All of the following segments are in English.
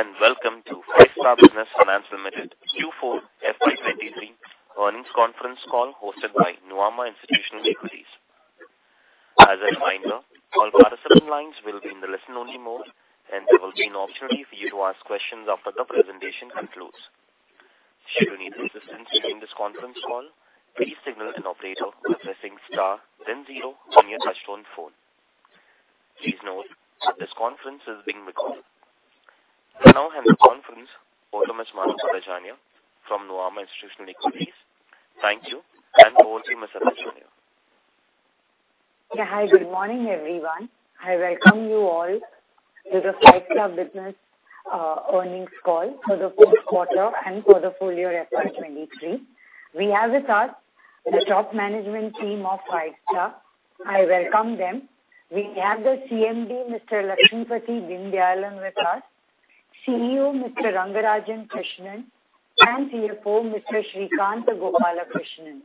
Good day, welcome to Five-Star Business Finance Limited Q4 FY 2023 earnings conference call hosted by Nuvama Institutional Equities. As a reminder, all participant lines will be in the listen-only mode, there will be an opportunity for you to ask questions after the presentation concludes. Should you need assistance during this conference call, please signal an operator by pressing star then 0 on your touchtone phone. Please note that this conference is being recorded. I now hand the conference over to Ms. Manu Padinjaria from Nuvama Institutional Equities. Thank you, over to you, Ms. Padinjaria. Yeah. Hi, good morning, everyone. I welcome you all to the Five-Star Business Finance earnings call for the fourth quarter and for the full year FY 2023. We have with us the top management team of Five-Star Business Finance. I welcome them. We have the CMD, Mr. Lakshmpati Bindial with us, CEO, Mr. Rangarajan Krishnan, and CFO, Mr. Srikanth Gopalakrishnan.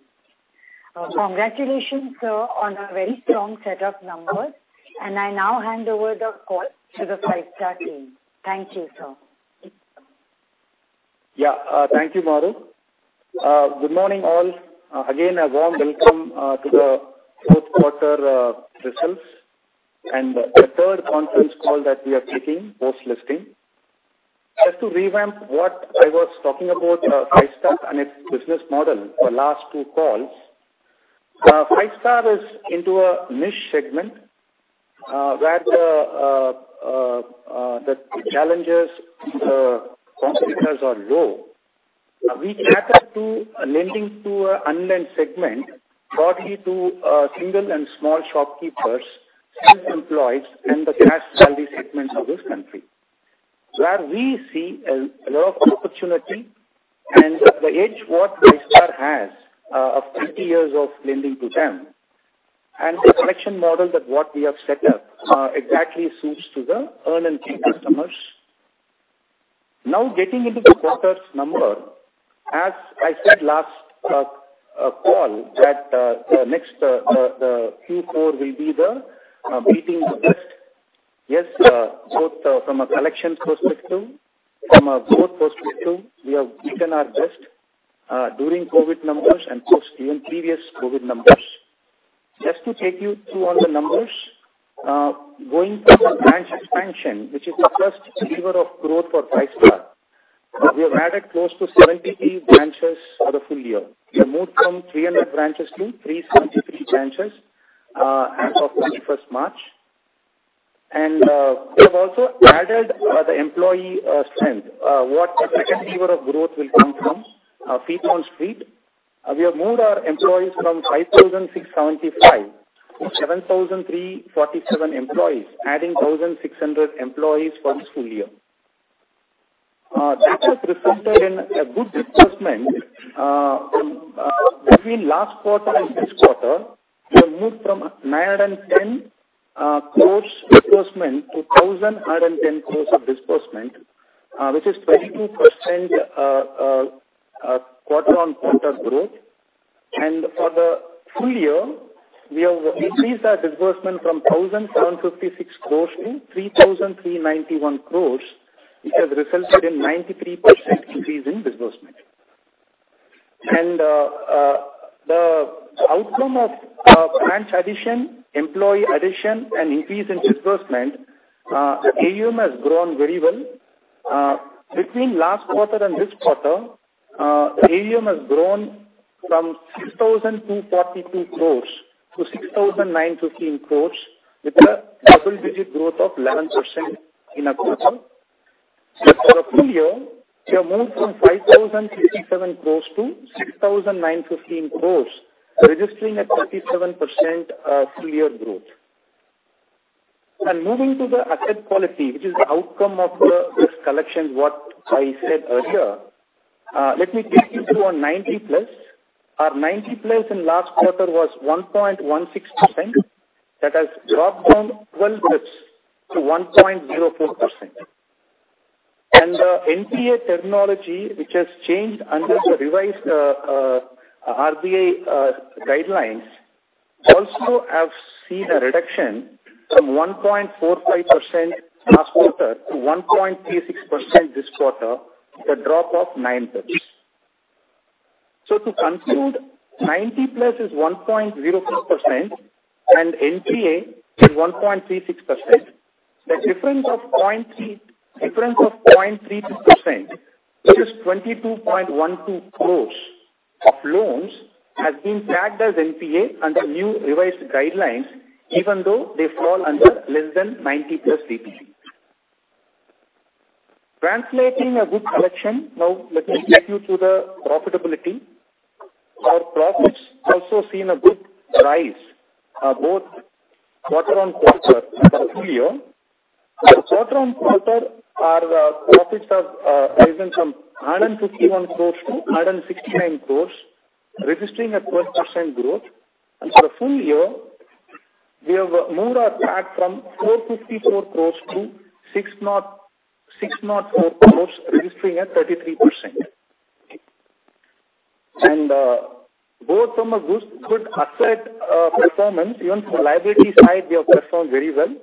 Congratulations, sir, on a very strong set of numbers. I now hand over the call to the Five-Star Business Finance team. Thank you, sir. Thank you, Manu. Good morning, all. A warm welcome to the fourth quarter results and the third conference call that we are taking post-listing. Just to revamp what I was talking about, Five-Star and its business model the last two calls. Five-Star is into a niche segment where the challenges, competitors are low. We cater to lending to a unlent segment, broadly to single and small shopkeepers, self-employed and the cash salary segments of this country. We see a lot of opportunity and the edge what Five-Star has, of 30 years of lending to them and the collection model that what we have set up, exactly suits to the earn and pay customers. Getting into the quarter's number, as I said last call that the next the Q4 will be the beating the best. Yes. Both from a collection perspective, from a growth perspective, we have beaten our best during COVID numbers and post even previous COVID numbers. Just to take you through on the numbers, going from a branch expansion, which is the first lever of growth for Five-Star. We have added close to 73 branches for the full year. We have moved from 300 branches to 373 branches as of 21st March. We have also added the employee strength. What the second lever of growth will come from feet on street. We have moved our employees from 5,675 to 7,347 employees, adding 1,600 employees for this full year. That has resulted in a good disbursement. Between last quarter and this quarter, we have moved from 910 crores disbursement to 1,110 crores of disbursement, which is 22% quarter-on-quarter growth. For the full year, we have increased our disbursement from 1,756 crores to 3,391 crores, which has resulted in 93% increase in disbursement. The outcome of branch addition, employee addition, and increase in disbursement, AUM has grown very well. Between last quarter and this quarter, AUM has grown from 6,242 crores to 6,915 crores with a double-digit growth of 11% in a quarter. For a full year, we have moved from 5,067 crores to 6,915 crores, registering a 37% full year growth. Moving to the asset quality, which is the outcome of the, this collection, what I said earlier. Let me take you through on 90-plus. Our 90-plus in last quarter was 1.16%. That has dropped down 12 bits to 1.04%. The NPA terminology, which has changed under the revised RBI guidelines also have seen a reduction from 1.45% last quarter to 1.36% this quarter, a drop of 9 bits. To conclude, 90-plus is 1.04% and NPA is 1.36%. The difference of 0.36%, which is 22.12 crore of loans, has been tagged as NPA under new revised guidelines even though they fall under less than 90-plus category. Translating a good collection, now let me take you through the profitability. Our profits also seen a good rise, both quarter-on-quarter and for full year. Quarter-on-quarter, our profits have risen from 151 crore to 169 crore, registering a 12% growth. For the full year, we have moved our tag from 454 crore to 604 crore, registering at 33%. Both from a good asset performance, even from liability side, we have performed very well.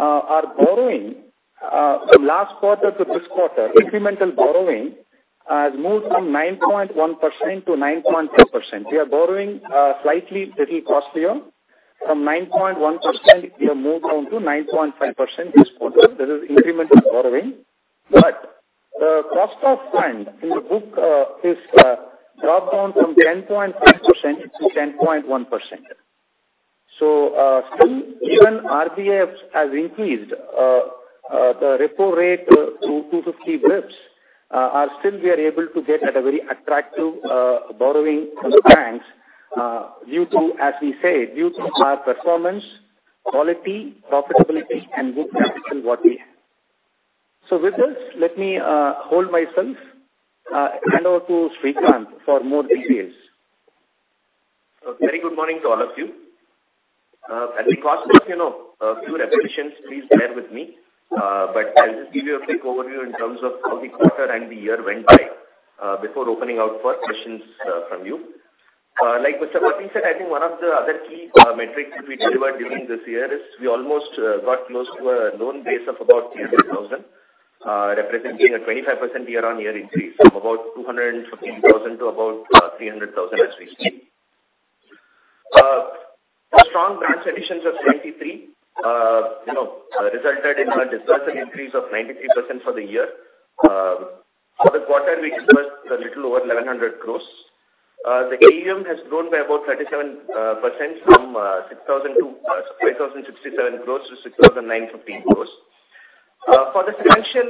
Our borrowing from last quarter to this quarter, incremental borrowing, has moved from 9.1% to 9.5%. We are borrowing slightly little costlier. From 9.1%, we have moved on to 9.5% this quarter. This is incremental borrowing. The cost of fund in the book is dropped down from 10.5% to 10.1%. Still even RBI has increased the repo rate to 250 basis points, are still we are able to get at a very attractive borrowing from the banks, due to, as we said, due to our performance, quality, profitability and good capital what we have. With this, let me hold myself, hand over to Srikanth for more details. A very good morning to all of you. At the cost of, you know, a few repetitions, please bear with me. I'll just give you a quick overview in terms of how the quarter and the year went by, before opening out for questions from you. Like Mr. Pathy said, I think one of the other key metrics which we delivered during this year is we almost got close to a loan base of about 300,000, representing a 25% year-on-year increase from about 215,000 to about 300,000 as we speak. Strong branch additions of 23, you know, resulted in a deposit increase of 93% for the year. For the quarter, we dispersed a little over 1,100 crores. The AUM has grown by about 37% from 6,067 crores to 6,915 crores. For the financial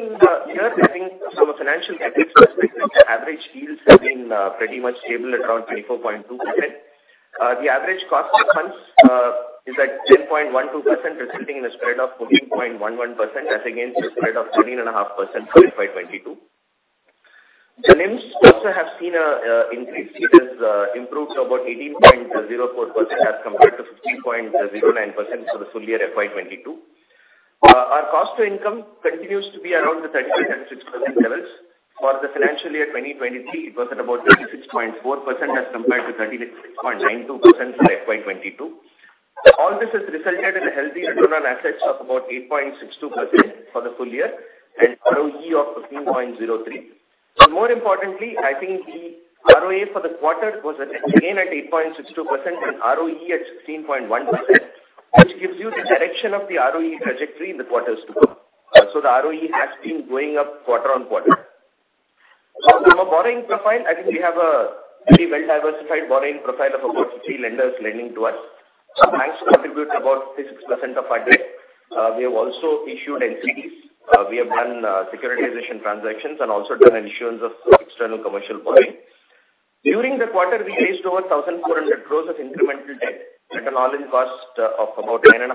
year, I think from a financial metrics perspective, the average yields have been pretty much stable at around 24.2%. The average cost of funds is at 10.12%, resulting in a spread of 14.11% as against a spread of 13.5% for FY 2022. The NIMs also have seen a increase. It has improved to about 18.04% as compared to 15.09% for the full year FY 2022. Our cost to income continues to be around the 38.6% levels. For the financial year 2023, it was at about 36.4% as compared to 38.92% for FY 2022. All this has resulted in a healthy return on assets of about 8.62% for the full year and ROE of 15.03%. More importantly, I think the ROA for the quarter was again at 8.62% and ROE at 16.1%, which gives you the direction of the ROE trajectory in the quarters to come. The ROE has been going up quarter-on-quarter. From a borrowing profile, I think we have a very well-diversified borrowing profile of about 50 lenders lending to us. Banks contribute about 56% of our debt. We have also issued NCDs. We have done securitization transactions and also done issuance of external commercial borrowing. During the quarter, we raised over 1,400 crores of incremental debt at an all-in cost of about 9.5%.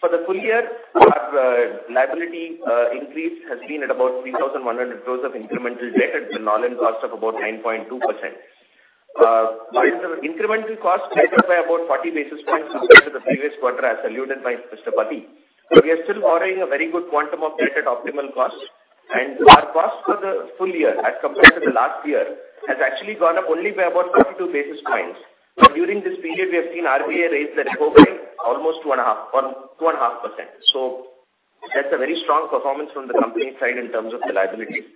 For the full year, our liability increase has been at about 3,100 crores of incremental debt at an all-in cost of about 9.2%. While the incremental cost has increased by about 40 basis points compared to the previous quarter, as alluded by Mr. Pathy, we are still borrowing a very good quantum of debt at optimal costs. Our cost for the full year as compared to the last year has actually gone up only by about 32 basis points. During this period, we have seen RBI raise the repo rate almost 2.5%. That's a very strong performance from the company side in terms of the liabilities.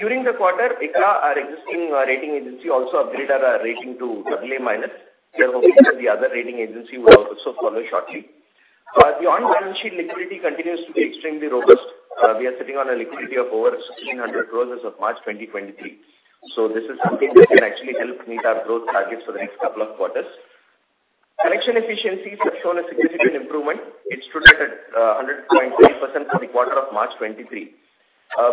During the quarter, ICRA, our existing rating agency, also upgraded our rating to AA minus. We are hoping that the other rating agency will also follow shortly. Our beyond balance sheet liquidity continues to be extremely robust. We are sitting on a liquidity of over 1,600 crores as of March 2023. This is something that can actually help meet our growth targets for the next couple of quarters. Collection efficiencies have shown a significant improvement. It stood at 100.3% for the quarter of March 2023.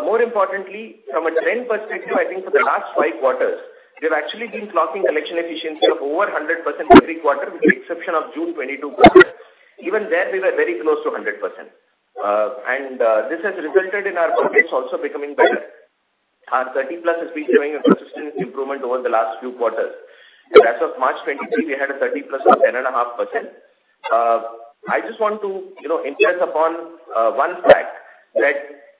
More importantly, from a trend perspective, I think for the last 5 quarters, we have actually been clocking collection efficiency of over 100% every quarter with the exception of June 2022 quarter. Even there, we were very close to a 100%. This has resulted in our buckets also becoming better. Our thirty-plus has been showing a consistent improvement over the last few quarters. As of March 2023, we had a thirty-plus of 10.5%. I just want to, you know, insist upon one fact that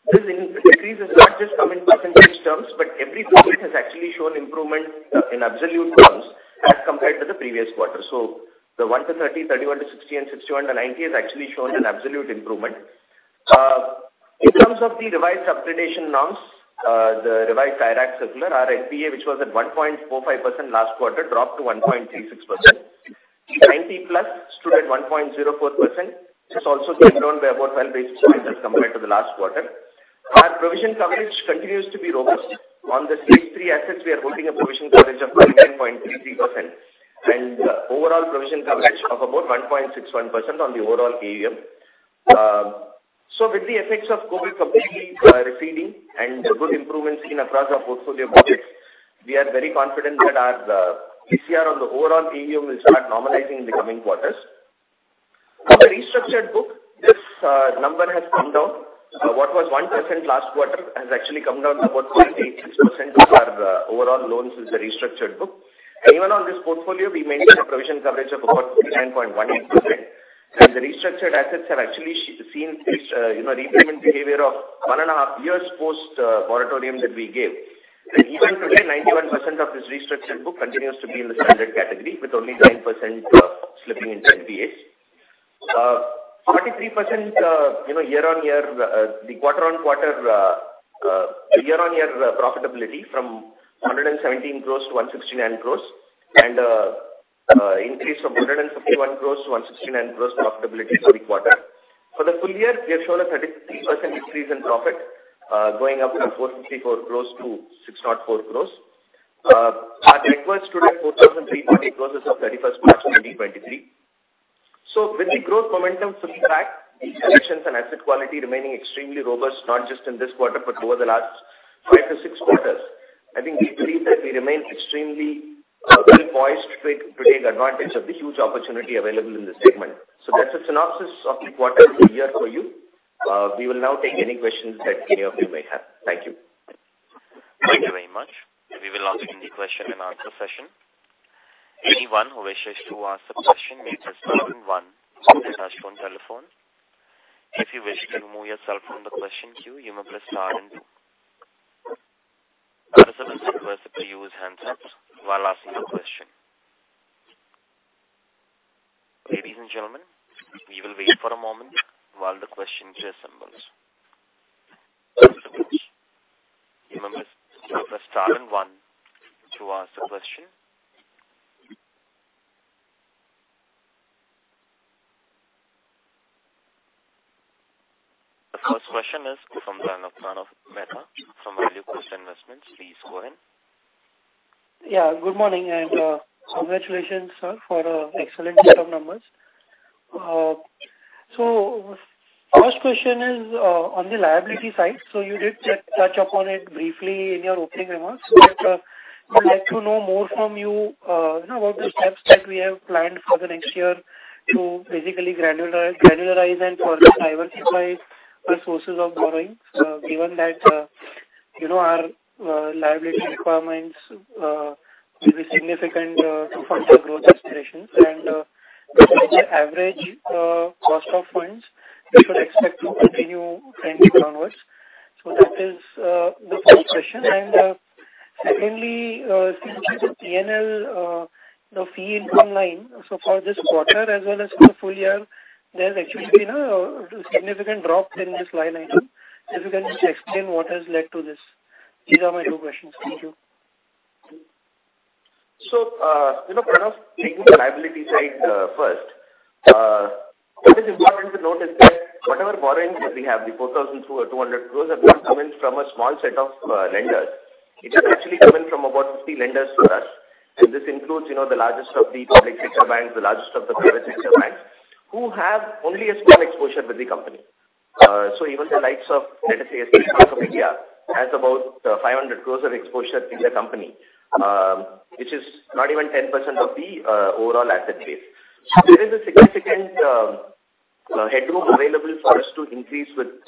this increase has not just come in percentage terms, but every bucket has actually shown improvement in absolute terms as compared to the previous quarter. The 1-30, 31-60, and 61-90 has actually shown an absolute improvement. In terms of the revised upgradation norms, the revised IRAC circular, our NPA, which was at 1.45% last quarter, dropped to 1.36%. The 90-plus stood at 1.04%, which has also come down by about 12 basis points as compared to the last quarter. Our provision coverage continues to be robust. On the stage three assets, we are holding a provision coverage of 19.33% and overall provision coverage of about 1.61% on the overall AUM. With the effects of COVID completely receding and good improvement seen across our portfolio buckets, we are very confident that our OCR on the overall AUM will start normalizing in the coming quarters. On the restructured book, this number has come down. What was 1% last quarter has actually come down to about 0.86% of our overall loans is the restructured book. Even on this portfolio, we maintain a provision coverage of about 99.18%. The restructured assets have actually seen this, you know, repayment behavior of 1.5 years post moratorium that we gave. Even today, 91% of this restructured book continues to be in the standard category with only 9% slipping into NPAs. 43%, you know, year-on-year, the quarter-on-quarter, year-on-year profitability from 117 crores to 169 crores and increase from 151 crores to 169 crores profitability for the quarter. For the full year, we have shown a 33% increase in profit, going up from 454 crores to 604 crores. Our net worth stood at 4,300 crores as of March 31, 2023. With the growth momentum coming back, the collections and asset quality remaining extremely robust, not just in this quarter, but over the last 5-6 quarters, I think we believe that we remain extremely well-poised to take advantage of the huge opportunity available in this segment. That's a synopsis of the quarter and the year for you. We will now take any questions that any of you may have. Thank you. Thank you very much. We will now begin the question and answer session. Anyone who wishes to ask a question may press star and one on their touchtone telephone. If you wish to remove yourself from the question queue, you may press star and two. Participants are requested to use handsets while asking a question. Ladies and gentlemen, we will wait for a moment while the questions assemble. You may press star and one to ask the question. The first question is from Pranav Mehta from Value Research Investments. Please go ahead. Yeah, good morning and congratulations, sir, for excellent set of numbers. First question is on the liability side. You did just touch upon it briefly in your opening remarks. We'd like to know more from you know, about the steps that we have planned for the next year to basically granularize and further diversify our sources of borrowing, given that, you know, our liability requirements will be significant to fund our growth aspirations and with the average cost of funds, we should expect to continue trending downwards. That is the first question. Secondly, since the P&L, the fee income line. For this quarter as well as for the full year, there has actually been a significant drop in this line item. If you can just explain what has led to this. These are my two questions. Thank you. you know, Pranav, taking the liability side, first. What is important to note is that whatever borrowings that we have, the 4,200 crores have come in from a small set of lenders. It has actually come in from about 50 lenders to us. This includes, you know, the largest of the public sector banks, the largest of the private sector banks, who have only a small exposure with the company. Even the likes of, let us say, SBI Card from India has about 500 crores of exposure in the company, which is not even 10% of the overall asset base. There is a significant headroom available for us to increase with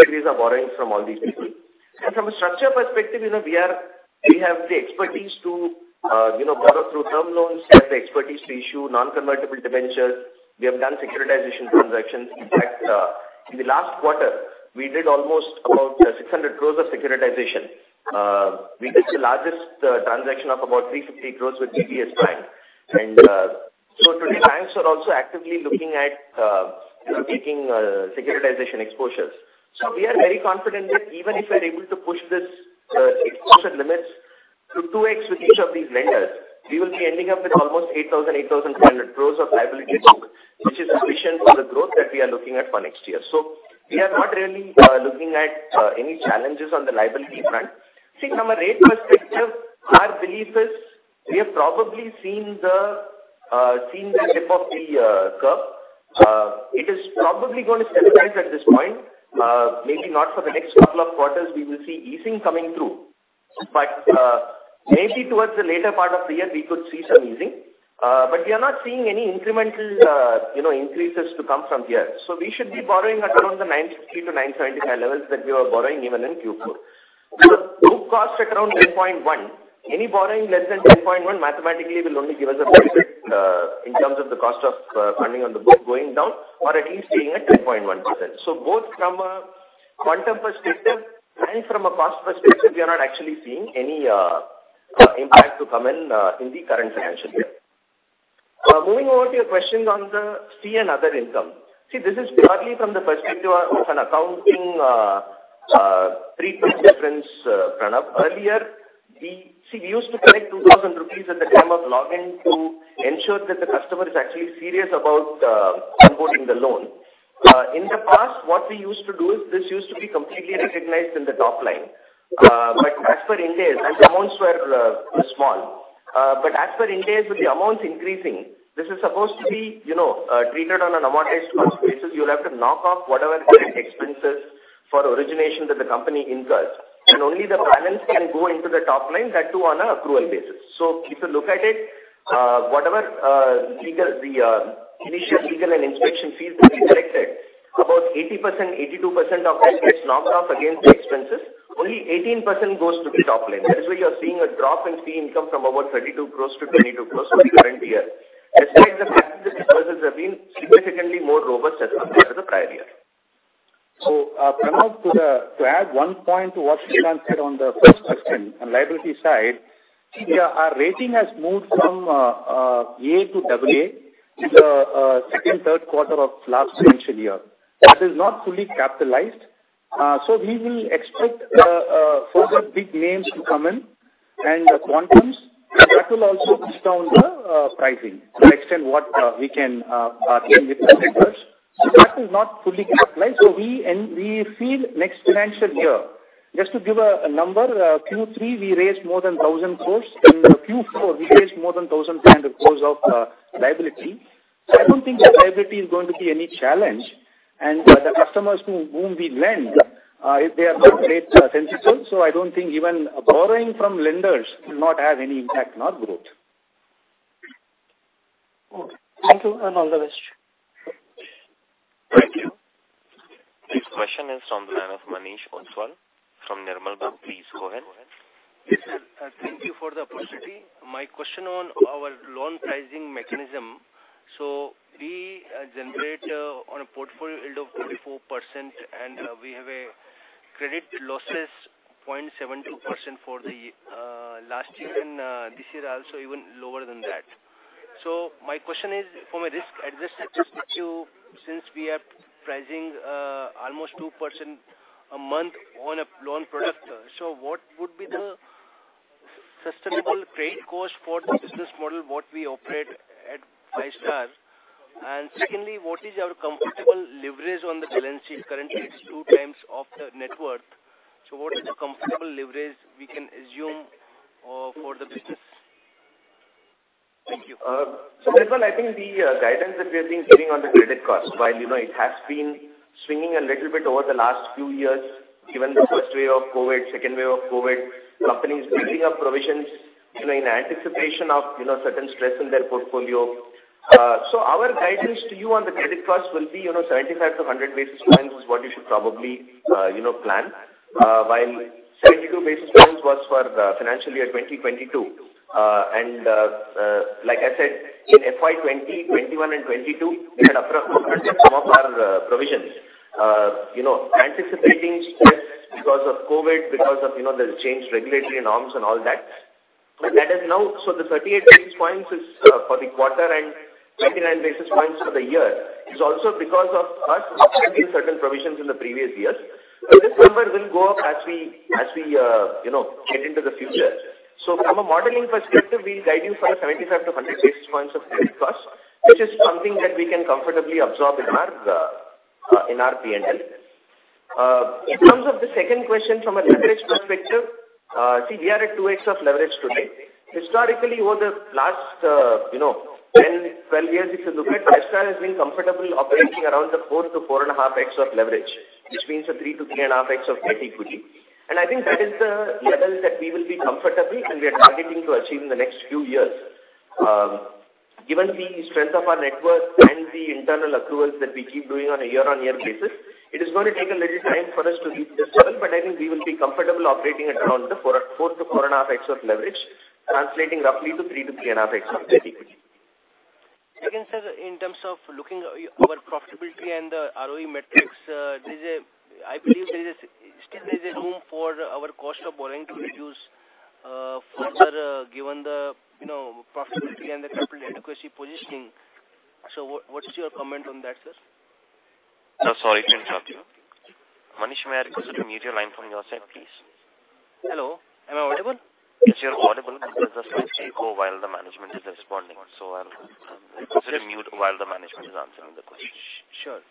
increase our borrowings from all these people. From a structure perspective, you know, we are, we have the expertise to, you know, borrow through term loans, we have the expertise to issue non-convertible debentures. We have done securitization transactions. In fact, in the last quarter, we did almost about 600 crores of securitization. We did the largest transaction of about 350 crores with DBS Bank. Today banks are also actively looking at, you know, taking securitization exposures. We are very confident that even if we are able to push this exposure limits to 2x with each of these lenders, we will be ending up with almost 8,100 crores of liability book, which is sufficient for the growth that we are looking at for next year. We are not really looking at any challenges on the liability front. See, from a rate perspective, our belief is we have probably seen the dip of the curve. It is probably gonna stabilize at this point. Maybe not for the next couple of quarters we will see easing coming through. Maybe towards the later part of the year we could see some easing. We are not seeing any incremental, you know, increases to come from here. We should be borrowing at around the 960-975 levels that we were borrowing even in Q4. With a book cost at around 10.1, any borrowing less than 10.1 mathematically will only give us a benefit in terms of the cost of funding on the book going down or at least staying at 10.1%. Both from a quantum perspective and from a cost perspective, we are not actually seeing any impact to come in in the current financial year. Moving over to your question on the fee and other income. This is partly from the perspective of an accounting treatment difference, Pranav. Earlier we used to collect 2,000 rupees at the time of login to ensure that the customer is actually serious about onboarding the loan. In the past, what we used to do is this used to be completely recognized in the top line. As per Ind AS, and the amounts were small. As per Ind AS, with the amounts increasing, this is supposed to be, you know, treated on an amortized cost basis. You will have to knock off whatever current expenses for origination that the company incurs, and only the balance can go into the top line, that too on an accrual basis. If you look at it, whatever legal, the initial legal and inspection fees that we collected, about 80%, 82% of that gets knocked off against the expenses. Only 18% goes to the top line. That is why you are seeing a drop in fee income from about 32 crores to 22 crores for the current year. Results have been significantly more robust as compared to the prior year. Pramath, to the, to add one point to what Sreenivasan said on the first question, on liability side, our rating has moved from A to double A in the second, third quarter of last financial year. That is not fully capitalized. We will expect further big names to come in, and the quantums, that will also push down the pricing to the extent what we can deal with the lenders. That is not fully capitalized. We feel next financial year. Just to give a number, Q3, we raised more than 1,000 crores. In Q4, we raised more than 1,300 crores of liability. I don't think the liability is going to be any challenge. The customers to whom we lend, they are quite rate sensitive, so I don't think even borrowing from lenders will not have any impact on our growth. Okay. Thank you, and all the best. Thank you. Next question is from the line of Manish Ostwal from Nirmal Bang. Please go ahead. Yes, sir. Thank you for the opportunity. My question on our loan pricing mechanism. We generate on a portfolio yield of 44%, and we have a credit losses 0.72% for the last year and this year also even lower than that. My question is from a risk adjusted perspective, since we are pricing almost 2% a month on a loan product, what would be the sustainable trade cost for the business model what we operate at Five-Star? Secondly, what is your comfortable leverage on the balance sheet? Currently, it's 2 times of the net worth. What is the comfortable leverage we can assume for the business? Thank you. Manish, I think the guidance that we have been giving on the credit cost, while, you know, it has been swinging a little bit over the last few years, given the first wave of COVID, second wave of COVID, companies building up provisions, you know, in anticipation of, you know, certain stress in their portfolio. Our guidance to you on the credit cost will be, you know, 75-100 basis points is what you should probably, you know, plan. While 72 basis points was for the financial year 2022. Like I said, in FY 2020, 2021 and 2022, we had upfront loaded some of our provisions. You know, anticipating stress because of COVID, because of, you know, the change regulatory norms and all that. That is now... The 38 basis points is for the quarter and 29 basis points for the year is also because of us upfronting certain provisions in the previous years. This number will go up as we, you know, get into the future. From a modeling perspective, we'll guide you for a 75-100 basis points of credit cost, which is something that we can comfortably absorb in our P&L. In terms of the second question, from a leverage perspective, we are at 2x of leverage today. Historically, over the last 10, 12 years, Five-Star has been comfortable operating around the 4-4.5x of leverage, which means a 3-3.5x of net equity. I think that is the level that we will be comfortable and we are targeting to achieve in the next few years. Given the strength of our network and the internal accruals that we keep doing on a year-on-year basis, it is going to take a little time for us to reach this level, but I think we will be comfortable operating at around the 4-4.5x of leverage, translating roughly to 3-3.5x of net equity. Sir, in terms of looking our profitability and the ROE metrics. I believe there is, still there's a room for our cost of borrowing to reduce further, given the, you know, profitability and the capital adequacy positioning. What is your comment on that, sir? Sir, sorry to interrupt you. Manish, may I request you to mute your line from your side, please. Hello, am I audible? Yes, you're audible. Could you just please stay quiet while the management is responding? I'll request you to mute while the management is answering the question. Sure.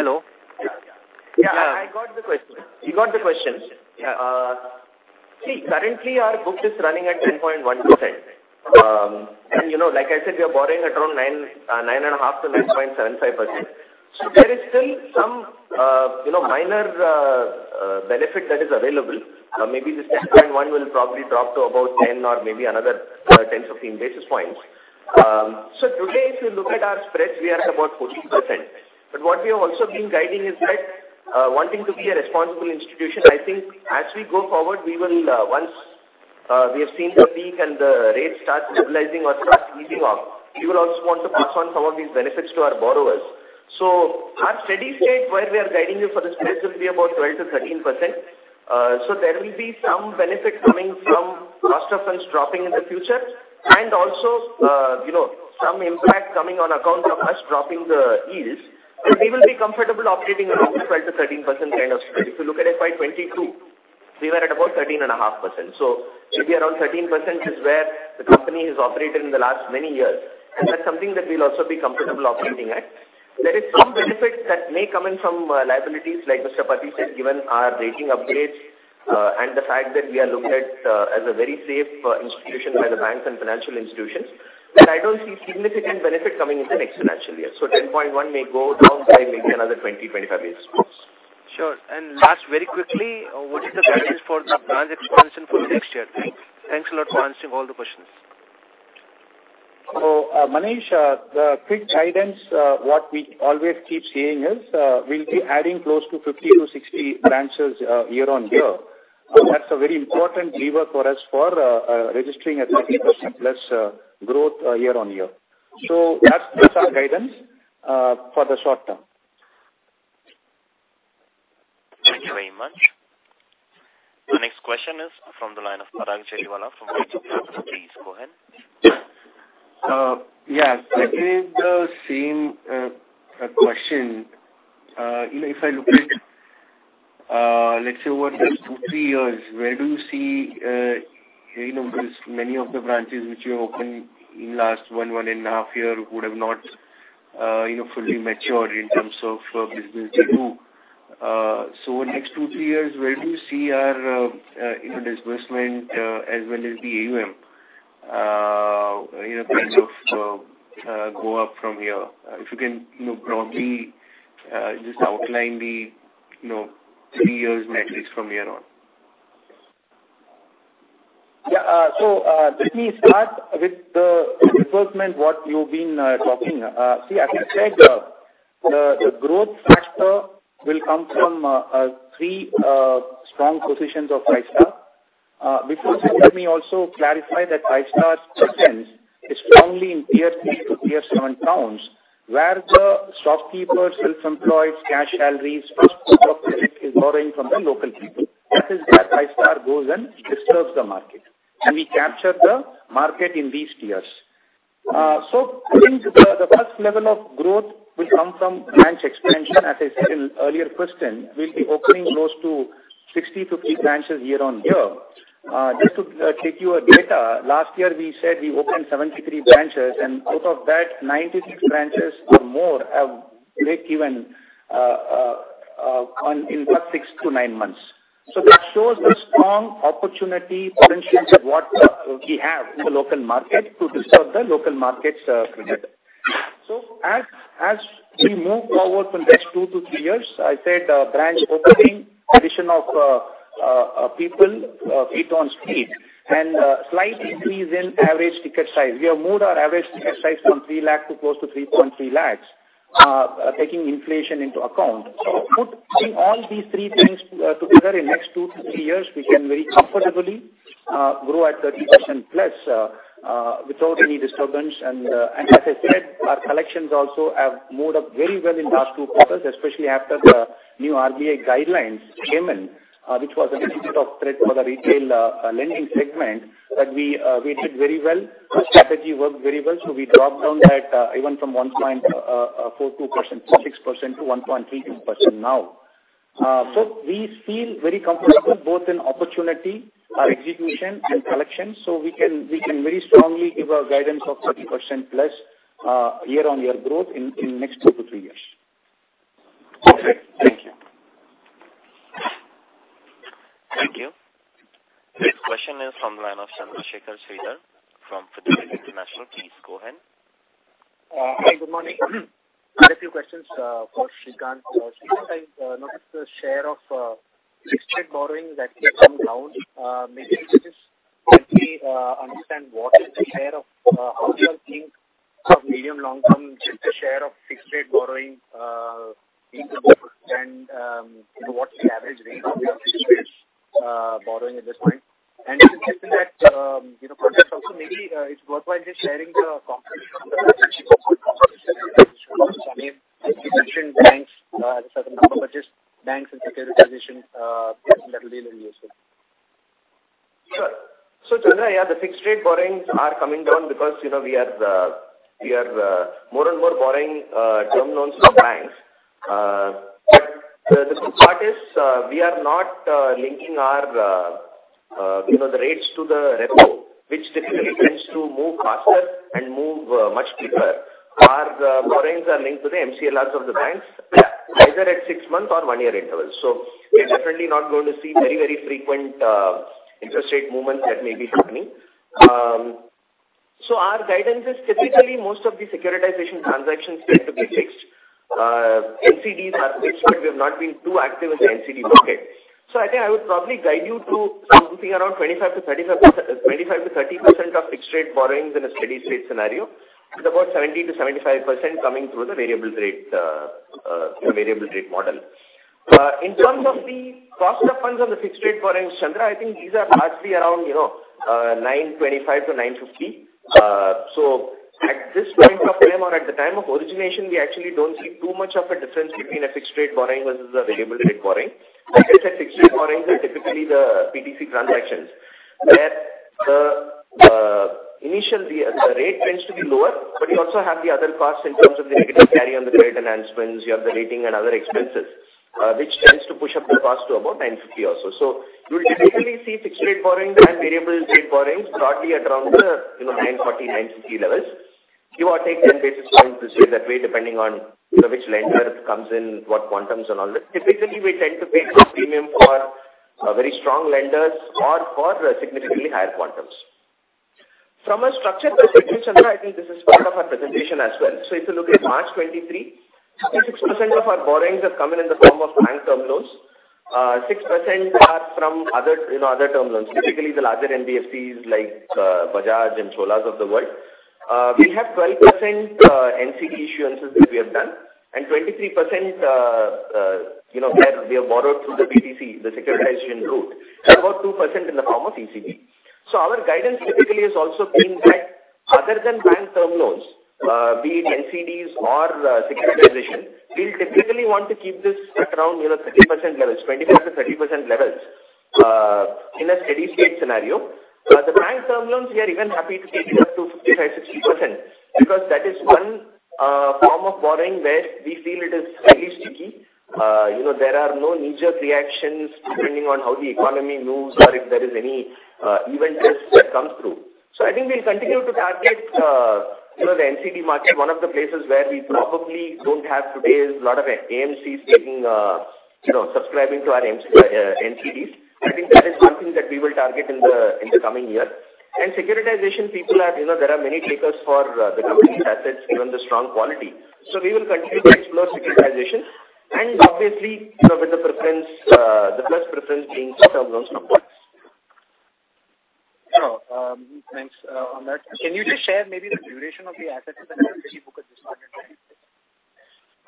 Hello. Yeah, I got the question. We got the question. Yeah. See, currently our book is running at 10.12%. You know, like I said, we are borrowing at around 9.5%-9.75%. There is still some, you know, minor benefit that is available. Maybe this 10.1 will probably drop to about 10 or maybe another 10-15 basis points. Today, if you look at our spreads, we are at about 14%. What we have also been guiding is that, wanting to be a responsible institution, I think as we go forward, we will, once we have seen the peak and the rates start stabilizing or start easing off, we will also want to pass on some of these benefits to our borrowers. Our steady state, where we are guiding you for the spreads will be about 12%-13%. There will be some benefit coming from cost of funds dropping in the future and also, you know, some impact coming on account of us dropping the yields. We will be comfortable operating around the 12%-13% kind of spread. If you look at FY 2022, we were at about 13.5%. should be around 13% is where the company has operated in the last many years, and that's something that we'll also be comfortable operating at. There is some benefit that may come in from liabilities, like Mr. Pathy said, given our rating upgrades, and the fact that we are looked at as a very safe institution by the banks and financial institutions, that I don't see significant benefit coming in the next financial year. 10.1 may go down by maybe another 20-25 basis points. Sure. Last, very quickly, what is the guidance for the branch expansion for next year? Thanks. Thanks a lot for answering all the questions. Manish, the quick guidance, what we always keep saying is, we'll be adding close to 50-60 branches year-on-year. That's a very important lever for us for registering a 30%+ growth year-on-year. That's our guidance for the short term. Thank you very much. The next question is from the line of Parag Jariwala from HDFC. Please go ahead. Yeah. Same question. You know, if I look at, let's say, over 2, 3 years, where do you see, you know, because many of the branches which you opened in last 1 and a half year would have not, you know, fully matured in terms of business they do. Next 2, 3 years, where do you see our, you know, disbursement as well as the AUM, you know, kind of, go up from here? If you can, you know, probably, just outline the, you know, 3 years metrics from here on? Yeah. Let me start with the disbursement, what you've been talking. See, as I said, the growth factor will come from three strong positions of Five-Star. Before let me also clarify that Five-Star's presence is strongly in tier 3 to tier 7 towns, where the shopkeepers, self-employed, cash salaries, first port of credit is borrowing from the local people. That is where Five-Star goes and disturbs the market, and we capture the market in these tiers. I think the first level of growth will come from branch expansion. As I said in earlier question, we'll be opening close to 60 to 50 branches year-over-year. Just to give you a data, last year we said we opened 73 branches, and out of that 96 branches or more have break even on in what? 6-9 months. That shows the strong opportunity potential what we have in the local market to disturb the local markets credit. As we move forward from next 2-3 years, I said, branch opening, addition of people, feet on street and slight increase in average ticket size. We have moved our average ticket size from 3 lakh to close to 3.3 lakhs, taking inflation into account. Putting all these three things together in next 2-3 years, we can very comfortably grow at 30%+ without any disturbance. As I said, our collections also have moved up very well in last 2 quarters, especially after the new RBI guidelines came in, which was a little bit of threat for the retail lending segment that we did very well. The strategy worked very well. We dropped down that even from 1.42% to 6% to 1.32% now. We feel very comfortable both in opportunity, our execution and collection. We can very strongly give a guidance of 30% plus year-on-year growth in next 2 to 3 years. Okay. Thank you. Thank you. This question is from the line of Chandrasekhar Sridhar from Fidelity International. Please go ahead. Hi. Good morning. I have a few questions for Srikant. Srikant, I noticed the share of fixed rate borrowing that has come down. Maybe you could just help me understand what is the share of, how do you think of medium long-term, just the share of fixed rate borrowing, into both and, what's the average rate of your fixed rate borrowing at this point? If you can keep in that, you know, for us also, maybe, it's worthwhile just sharing the composition of the transactions, banks, certain number, but just banks and securitization, that will be really useful. Sure. Chandra, yeah, the fixed rate borrowings are coming down because, you know, we are, we are more and more borrowing term loans from banks. The good part is we are not linking our, you know, the rates to the repo, which typically tends to move faster and move much deeper. Our borrowings are linked to the MCLRs of the banks, either at 6 months or 1 year intervals. We are definitely not going to see very, very frequent interest rate movements that may be happening. Our guidance is typically most of the securitization transactions tend to be fixed. NCDs are fixed, but we have not been too active in the NCD market. I think I would probably guide you to something around 25%-35%, 25%-30% of fixed rate borrowings in a steady state scenario. About 70%-75% coming through the variable rate model. In terms of the cost of funds on the fixed rate borrowings, Chandra, I think these are largely around 9.25%-9.50%. At this point of time or at the time of origination, we actually don't see too much of a difference between a fixed rate borrowing versus a variable rate borrowing. Like I said, fixed rate borrowings are typically the PTC transactions where initially the rate tends to be lower. You also have the other costs in terms of the negative carry on the credit enhancements. You have the rating and other expenses, which tends to push up the cost to about 950 or so. You will typically see fixed rate borrowings and variable rate borrowings broadly at around the, you know, 940, 950 levels. Give or take 10 basis points this way, that way, depending on, you know, which lender comes in what quantums and all that. Typically, we tend to pay some premium for very strong lenders or for significantly higher quantums. From a structure perspective, Chandra, I think this is part of our presentation as well. If you look at March 23, 66% of our borrowings have come in in the form of bank term loans. 6% are from other, you know, other term loans. Typically, the larger NBFCs like Bajaj and Cholamandalam of the world. We have 12% NCD issuances that we have done, and 23%, you know, where we have borrowed through the PTC, the securitization route, and about 2% in the form of ECB. Our guidance typically is also being that other than bank term loans, be it NCDs or securitization, we'll typically want to keep this at around, you know, 30% levels, 25%-30% levels in a steady state scenario. The bank term loans, we are even happy to take it up to 55%-60%, because that is one form of borrowing where we feel it is fairly sticky. You know, there are no knee-jerk reactions depending on how the economy moves or if there is any event risk that comes through. I think we'll continue to target, you know, the NCD market. One of the places where we probably don't have today is a lot of AMCs taking, you know, subscribing to our NCDs. I think that is one thing that we will target in the, in the coming year. Securitization, people are, you know, there are many takers for the company's assets, given the strong quality. We will continue to explore securitization and obviously, you know, with the preference, the first preference being term loans from banks. Sure. Thanks, on that. Can you just share maybe the duration of the assets in the book at this point in time?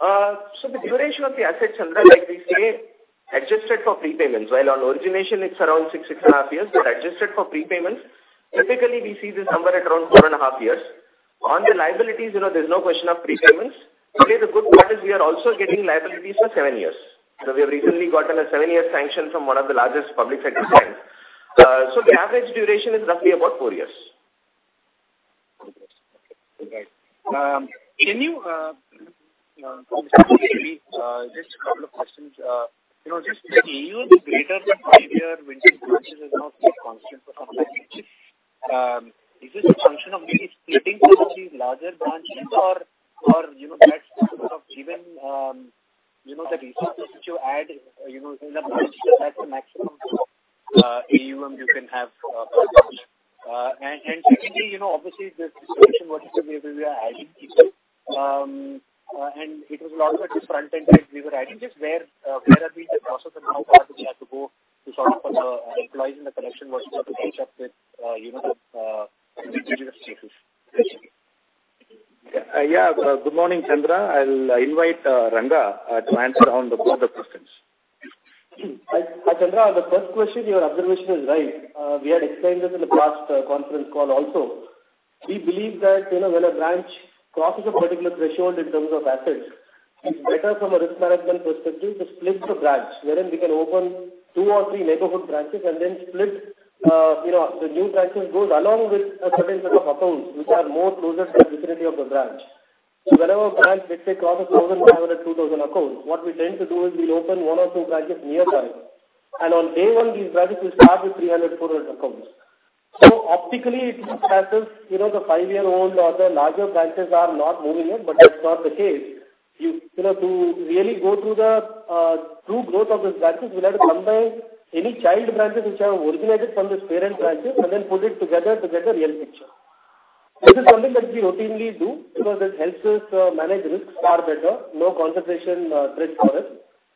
The duration of the assets, Chandra, like we say, adjusted for prepayments. While on origination it's around 6 and a half years, but adjusted for prepayments, typically we see this number at around 4 and a half years. On the liabilities, you know, there's no question of prepayments. Okay. The good part is we are also getting liabilities for 7 years. We have recently gotten a 7-year sanction from one of the largest public sector banks. The average duration is roughly about 4 years. Four years. Okay. All right. can you, from a Good morning, Chandra. I'll invite Ranga to answer on both the questions. Hi, Chandra. On the 1st question, your observation is right. We had explained this in the past conference call also. We believe that, you know, when a branch crosses a particular threshold in terms of assets, it's better from a risk management perspective to split the branch, wherein we can open two or three neighborhood branches and then split, you know, the new branches goes along with a certain set of accounts which are more closer to the vicinity of the branch. Whenever a branch, let's say, crosses 1,500, 2,000 accounts, what we tend to do is we'll open one or two branches nearby. On day one, these branches will start with 300, 400 accounts. Optically it appears as if, you know, the five-year-old or the larger branches are not moving it, but that's not the case. You, you know, to really go through the true growth of these branches, we'll have to combine any child branches which are originated from these parent branches and then put it together to get a real picture. This is something that we routinely do because it helps us manage risks far better. No concentration risk for us.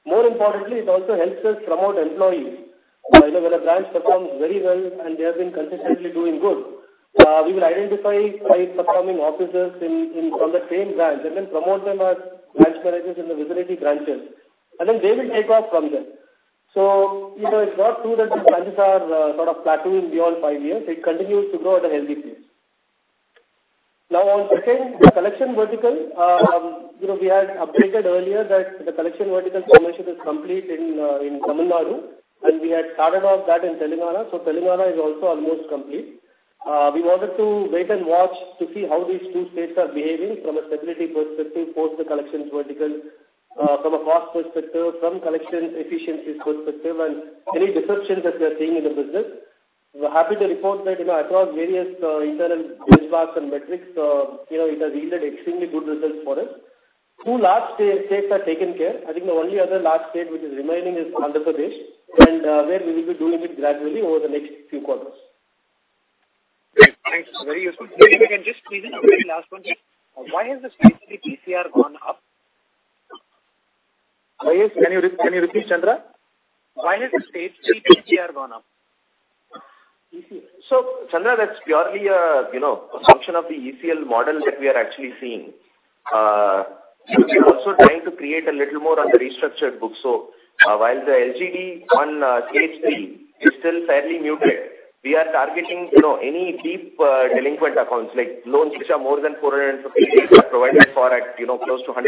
More importantly, it also helps us promote employees. You know, when a branch performs very well and they have been consistently doing good, we will identify high-performing officers on the same branch and then promote them as branch managers in the vicinity branches, and then they will take off from there. You know, it's not true that the branches are sort of plateauing beyond five years. It continues to grow at a healthy pace. On second, the collection vertical, you know, we had updated earlier that the collection vertical formation is complete in Tamil Nadu, and we had started off that in Telangana. Telangana is also almost complete. We wanted to wait and watch to see how these two states are behaving from a stability perspective post the collections vertical, from a cost perspective, from collection efficiencies perspective, and any disruptions that we are seeing in the business. We're happy to report that, you know, across various internal benchmarks and metrics, you know, it has yielded extremely good results for us. Two large states are taken care. I think the only other large state which is remaining is Andhra Pradesh, and where we will be doing it gradually over the next few quarters. Great. Thanks. Very useful. We can just squeeze in a very last one here. Why has the stage 3 PCR gone up? Can you repeat, Chandra? Why has the stage three PCR gone up? Chandra, that's purely a, you know, a function of the ECL model that we are actually seeing. We're also trying to create a little more on the restructured book. While the LGD on stage three is still fairly muted, we are targeting, you know, any deep delinquent accounts, like loans which are more than 450 days are provided for at, you know, close to 100%.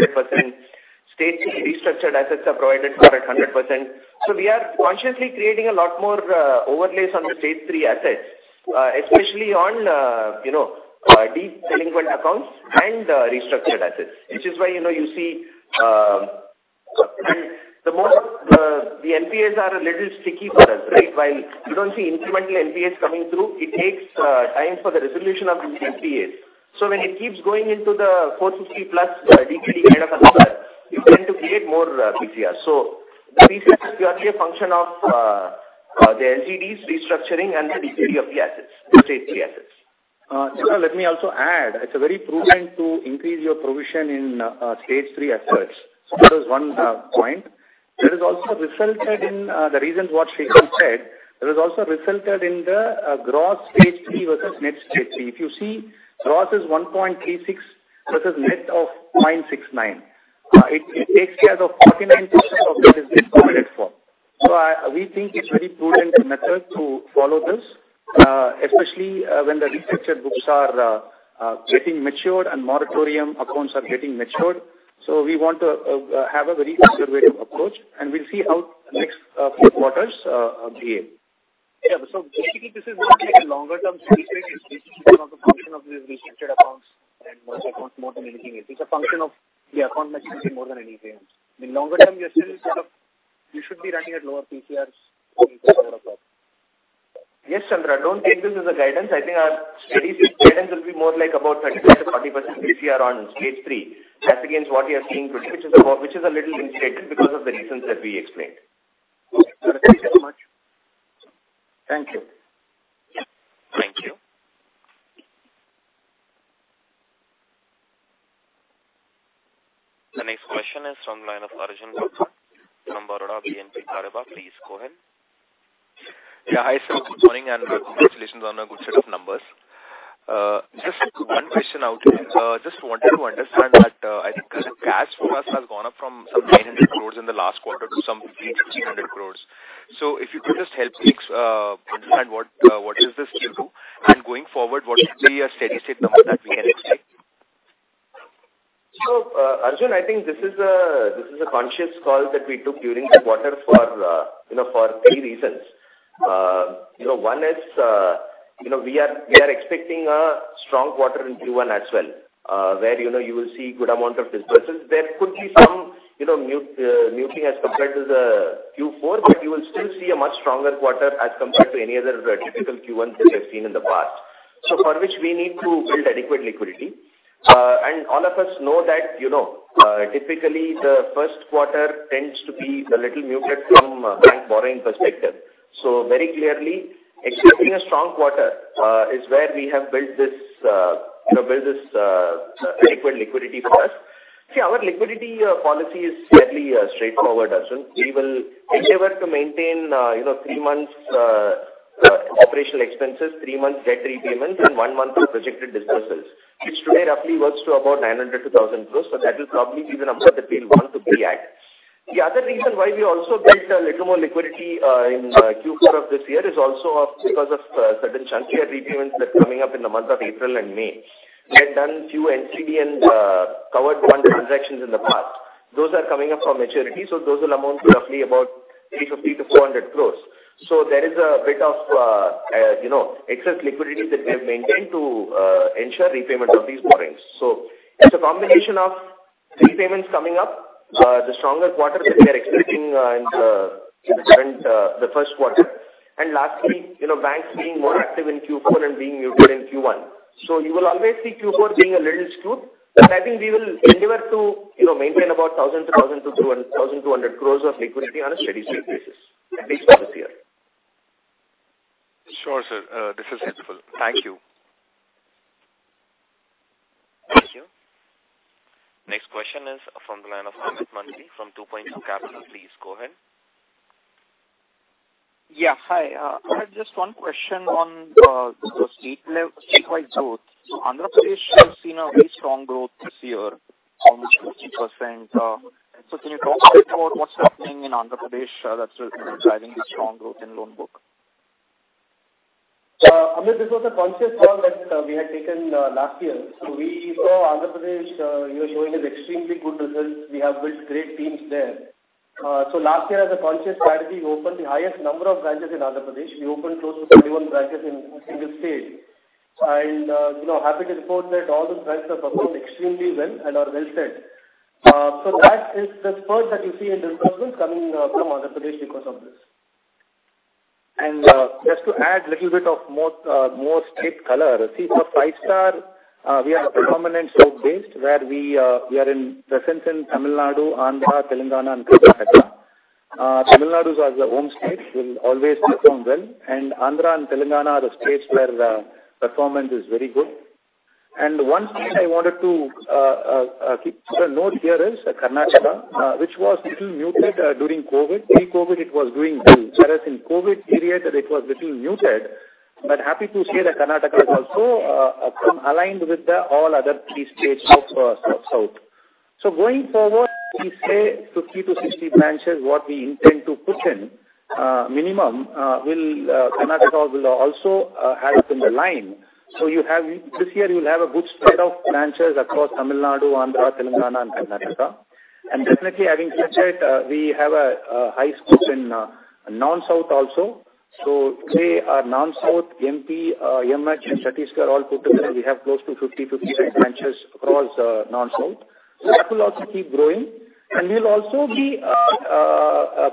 Stage three restructured assets are provided for at 100%. We are consciously creating a lot more overlays on the stage three assets, especially on, you know, deep delinquent accounts and restructured assets, which is why, you know, you see. The more, the NPAs are a little sticky for us, right? While you don't see incremental NPAs coming through, it takes time for the resolution of these NPAs. When it keeps going into the 450+ DDD kind of a number, you tend to create more PCR. This is purely a function of the LGDs restructuring and the DDD of the assets, the stage three assets. Chandra, let me also add, it's very prudent to increase your provision in stage three assets. That is one point. That has also resulted in the reasons what Srikanth said, that has also resulted in the gross stage three versus net stage three. If you see gross is 1.36 versus net of 0.69. It takes care of 49% of what is discounted for. I, we think it's very prudent method to follow this, especially when the restructured books are getting matured and moratorium accounts are getting matured. We want to have a very conservative approach, and we'll see how next few quarters behave. Yeah. Basically this is more like a longer term steady state. It's basically more of a function of these restructured accounts and mercy accounts more than anything else. It's a function of the account mix changing more than anything else. In longer term, you should be running at lower PCRs going forward. Yes, Chandra. Don't take this as a guidance. I think our steady state guidance will be more like about 30%-40% PCR on stage 3. That's against what we are seeing today, which is a little inflated because of the reasons that we explained. Okay. Thank you so much. Thank you. Thank you. The next question is from the line of Arjun Bagga from Baroda BNP Paribas. Please go ahead. Yeah. Hi, sir. Good morning, and congratulations on a good set of numbers. Just one question. Just wanted to understand that, I think the cash for us has gone up from some 900 crores in the last quarter to some 3,600 crores. If you could just help me, understand what is this due to, and going forward, what should be a steady state number that we can expect? Arjun, I think this is a conscious call that we took during this quarter for, you know, for three reasons. You know, one is, you know, we are expecting a strong quarter in Q1 as well, where, you know, you will see good amount of disbursements. There could be some, you know, mute, muting as compared to the Q4, but you will still see a much stronger quarter as compared to any other, typical Q1s that you have seen in the past. For which we need to build adequate liquidity. All of us know that, you know, typically the first quarter tends to be a little muted from a bank borrowing perspective. Very clearly, expecting a strong quarter, is where we have built this adequate liquidity for us. See, our liquidity policy is fairly straightforward, Arjun. We will endeavor to maintain, you know, 3 months operational expenses, 3 months debt repayments, and 1 month of projected disbursements, which today roughly works to about 900-1,000 crores. That will probably be the number that we want to be at. The other reason why we also built a little more liquidity in Q4 of this year is also because of certain chunkier repayments that's coming up in the month of April and May. We had done few NCD and covered fund transactions in the past. Those are coming up for maturity, so those will amount to roughly about 350-400 crores. So there is a bit of, you know, excess liquidity that we have maintained to ensure repayment of these borrowings. It's a combination of repayments coming up, the stronger quarter that we are expecting in the current, the first quarter. And lastly, you know, banks being more active in Q4 and being muted in Q1. You will always see Q4 being a little skewed, but I think we will endeavor to, you know, maintain about 1,000-1,200 crores of liquidity on a steady state basis, at least for this year. Sure, sir. This is helpful. Thank you. Thank you. Next question is from the line of Amit Mantri from 2Point2 Capital. Please go ahead. Yeah. Hi. I have just one question on the statewide growth. Andhra Pradesh has seen a very strong growth this year, almost 15%. Can you talk a bit about what's happening in Andhra Pradesh, that's, you know, driving this strong growth in loan book? Amit, this was a conscious call that we had taken last year. We saw Andhra Pradesh, you know, showing us extremely good results. We have built great teams there. Last year as a conscious strategy, we opened the highest number of branches in Andhra Pradesh. We opened close to 21 branches in the state. You know, happy to report that all those branches have performed extremely well and are well set. That is the spurt that you see in disbursements coming from Andhra Pradesh because of this. Just to add little bit of more more state color. For Five-Star, we have a predominant south base, where we are in presence in Tamil Nadu, Andhra, Telangana, and Karnataka. Tamil Nadu is our home state, will always perform well, and Andhra and Telangana are the states where the performance is very good. One state I wanted to keep a note here is Karnataka, which was little muted during COVID. Pre-COVID it was doing well, whereas in COVID period it was little muted. Happy to say that Karnataka has also come aligned with the all other three states south. Going forward, we say 50-60 branches what we intend to put in, minimum, will Karnataka also have in the line. You have... This year you'll have a good spread of branches across Tamil Nadu, Andhra, Telangana, and Karnataka. Definitely, having said, we have high stakes in non-south also. Today our non-south MP, MH, and Chhattisgarh all put together, we have close to 50-55 branches across non-south. That will also keep growing. We'll also be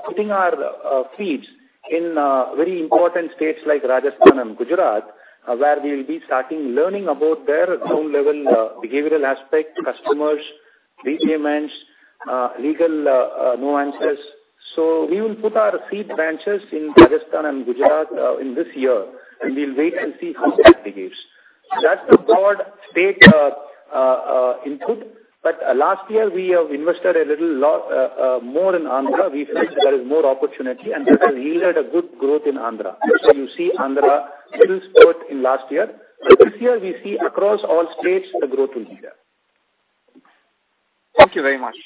putting our seeds in very important states like Rajasthan and Gujarat, where we will be starting learning about their ground level behavioral aspect, customers, repayments, legal nuances. We will put our seed branches in Rajasthan and Gujarat in this year, and we'll wait and see how that behaves. That's a broad state input. Last year we have invested a little more in Andhra. We feel there is more opportunity, that has yielded a good growth in Andhra. You see Andhra still stood in last year. This year we see across all states the growth will be there. Thank you very much.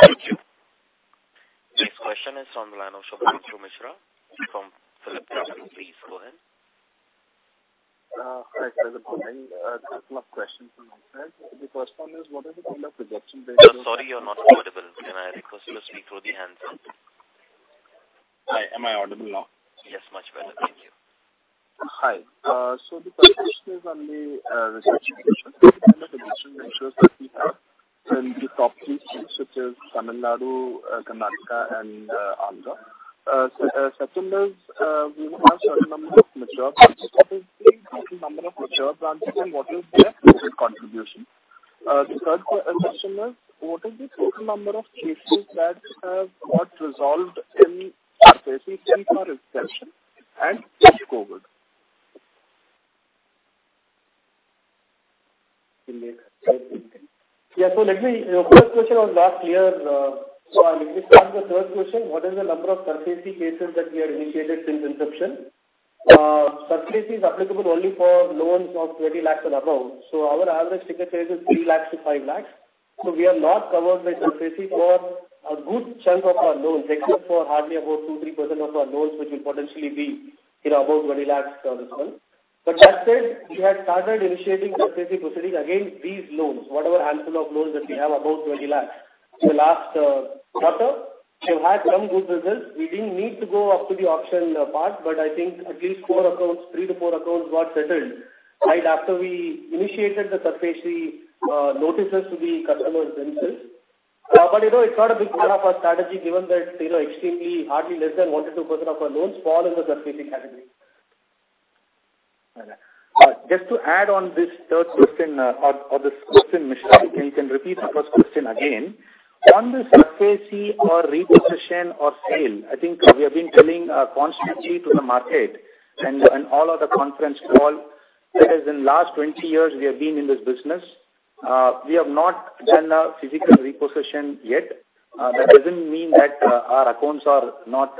Thank you. Next question is on the line of Shubhranshu Mishra from PhillipCapital. Please go ahead. Hi, sir. Good morning. Couple of questions from my side. The first one is, what is the total rejection ratio? I'm sorry, you're not audible. Can I request you to speak through the handset? Hi. Am I audible now? Yes, much better. Thank you. Hi. The first question is on the research question. What are the rejection ratios that we have in the top three states such as Tamil Nadu, Karnataka and Andhra. Second is, we have certain number of mature branches. What is the current number of mature branches and what is their profit contribution? The third question is, what is the total number of cases that have got resolved in SARFAESI till now inception and post-COVID? Your first question was last year's, I'll explain the third question. What is the number of SARFAESI cases that we have initiated since inception? SARFAESI is applicable only for loans of 20 lakhs and above. Our average ticket size is 3 lakhs-5 lakhs. We are not covered by SARFAESI for a good chunk of our loans, except for hardly about 2%, 3% of our loans, which will potentially be, you know, above 20 lakhs, this one. That said, we had started initiating SARFAESI proceeding against these loans, whatever handful of loans that we have above 20 lakhs. The last quarter, we've had some good results. We didn't need to go up to the auction part. I think at least 4 accounts, 3-4 accounts got settled right after we initiated the SARFAESI notices to the customers themselves. You know, it's not a big part of our strategy given that, you know, extremely hardly less than 1%-2% of our loans fall in the SARFAESI category. To add on this third question or this question, Mishra, you can repeat the first question again. On this SARFAESI or repossession or sale, I think we have been telling constantly to the market and all of the conference call that has in last 20 years we have been in this business, we have not done a physical repossession yet. That doesn't mean that our accounts are not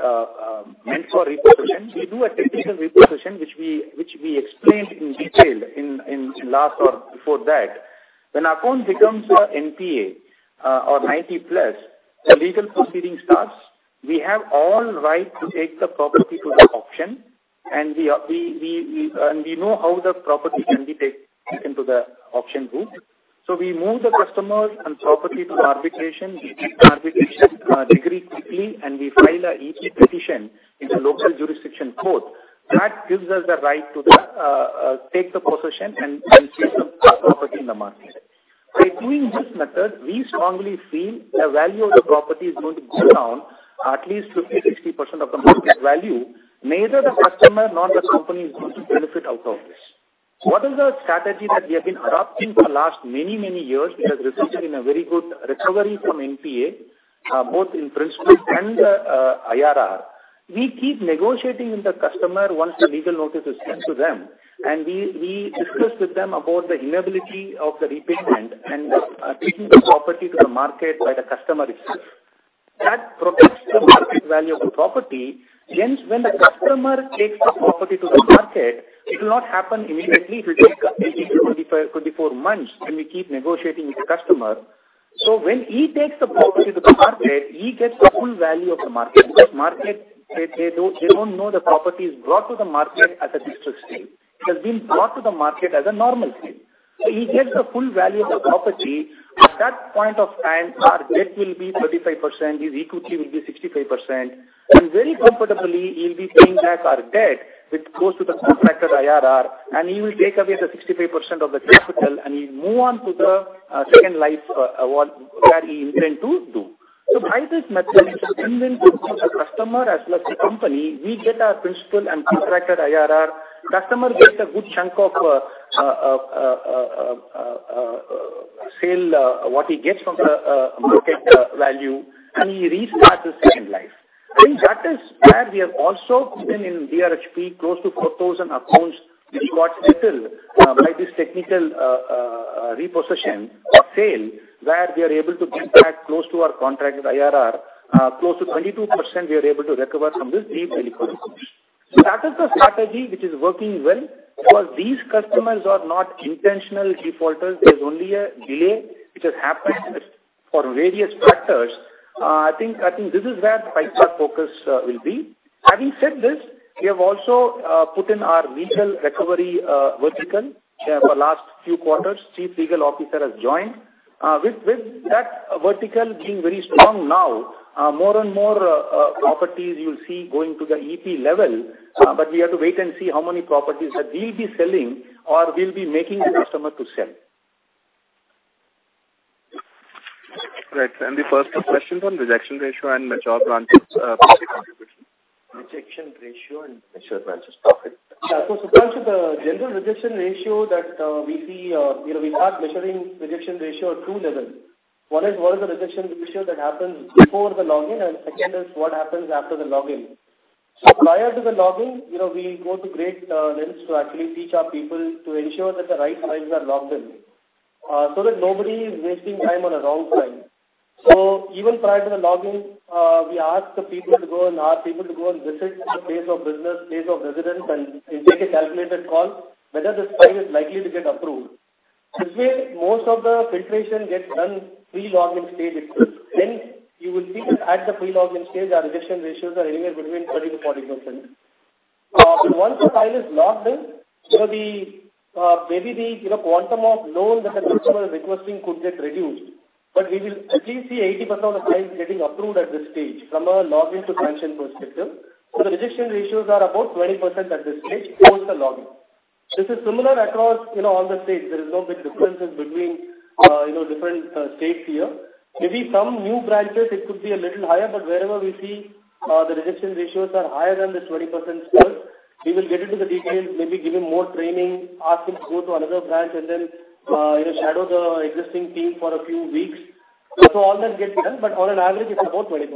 meant for repossession. We do a technical repossession, which we explained in detail in last or before that. When account becomes a NPA, or 90 plus, the legal proceeding starts. We have all right to take the property to the auction. We know how the property can be taken to the auction group. We move the customers and property to arbitration. Arbitration agree quickly, and we file a EP petition in the local jurisdiction court. That gives us the right to the take the possession and sell the property in the market. By doing this method, we strongly feel the value of the property is going to go down at least 50%-60% of the market value. Neither the customer nor the company is going to benefit out of this. What is our strategy that we have been adopting for last many, many years? It has resulted in a very good recovery from NPA, both in principal and IRR. We keep negotiating with the customer once the legal notice is sent to them, and we discuss with them about the inability of the repayment and taking the property to the market by the customer itself. That protects the market value of the property. Hence, when the customer takes the property to the market, it will not happen immediately. It will take 18 to 24 months, and we keep negotiating with the customer. When he takes the property to the market, he gets the full value of the market because market, they don't know the property is brought to the market as a distressed sale. It has been brought to the market as a normal sale. He gets the full value of the property. At that point of time, our debt will be 35%, his equity will be 65%, and very comfortably he'll be paying back our debt, which goes to the contracted IRR, and he will take away the 65% of the capital, and he'll move on to the second life award where he intend to do. By this method, it's a win-win to both the customer as well as the company. We get our principal and contracted IRR. Customer gets a good chunk of sale, what he gets from the market value, and he restarts his second life. I think that is where we have also been in BRHP close to 4,000 accounts which got settled by this technical repossession sale, where we are able to get back close to our contracted IRR. Close to 22% we are able to recover from this deep value customers. That is the strategy which is working well because these customers are not intentional defaulters. There's only a delay which has happened just for various factors. I think this is where the Five-Star focus will be. Having said this, we have also put in our legal recovery vertical here for last few quarters. Chief Legal Officer has joined. With that vertical being very strong now, more and more properties you'll see going to the EP level, we have to wait and see how many properties that we'll be selling or we'll be making the customer to sell. Right. The first 2 questions on rejection ratio and mature branches, profit contribution. Rejection ratio and mature branches profit. Yeah. Shubhranshu, the general rejection ratio that we see, you know, we are measuring rejection ratio at two levels. One is what is the rejection ratio that happens before the login. Second is what happens after the login. Prior to the login, you know, we go to great lengths to actually teach our people to ensure that the right files are logged in, so that nobody is wasting time on a wrong file. Even prior to the login, we ask the people to go and visit the place of business, place of residence, and make a calculated call whether this file is likely to get approved. This way, most of the filtration gets done pre-login stage itself. You will see that at the pre-login stage, our rejection ratios are anywhere between 30%-40%. Once the file is logged in, you know, the maybe the, you know, quantum of loan that the customer is requesting could get reduced, but we will at least see 80% of the files getting approved at this stage from a login to sanction perspective. The rejection ratios are about 20% at this stage post the login. This is similar across, you know, all the states. There is no big differences between, you know, different, states here. Maybe some new branches it could be a little higher, but wherever we see the rejection ratios are higher than this 20% plus, we will get into the details, maybe give him more training, ask him to go to another branch and then, you know, shadow the existing team for a few weeks. All that gets done, but on an average it's about 20%.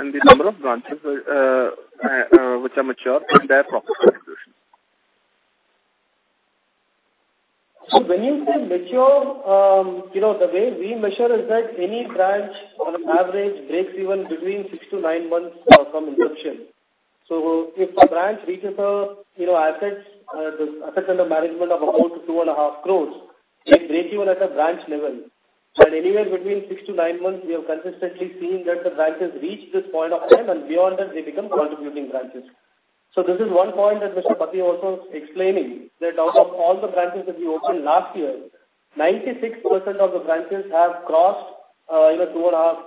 The number of branches, which are mature and their profit contribution. When you say mature, you know, the way we measure is that any branch on an average breaks even between six to nine months from inception. If a branch reaches a, you know, assets under management of about 2.5 crores, they break even at a branch level. At anywhere between six to nine months, we have consistently seen that the branches reach this point of time, and beyond that they become contributing branches. This is one point that Mr. Pathy also explaining, that out of all the branches that we opened last year, 96% of the branches have crossed, you know,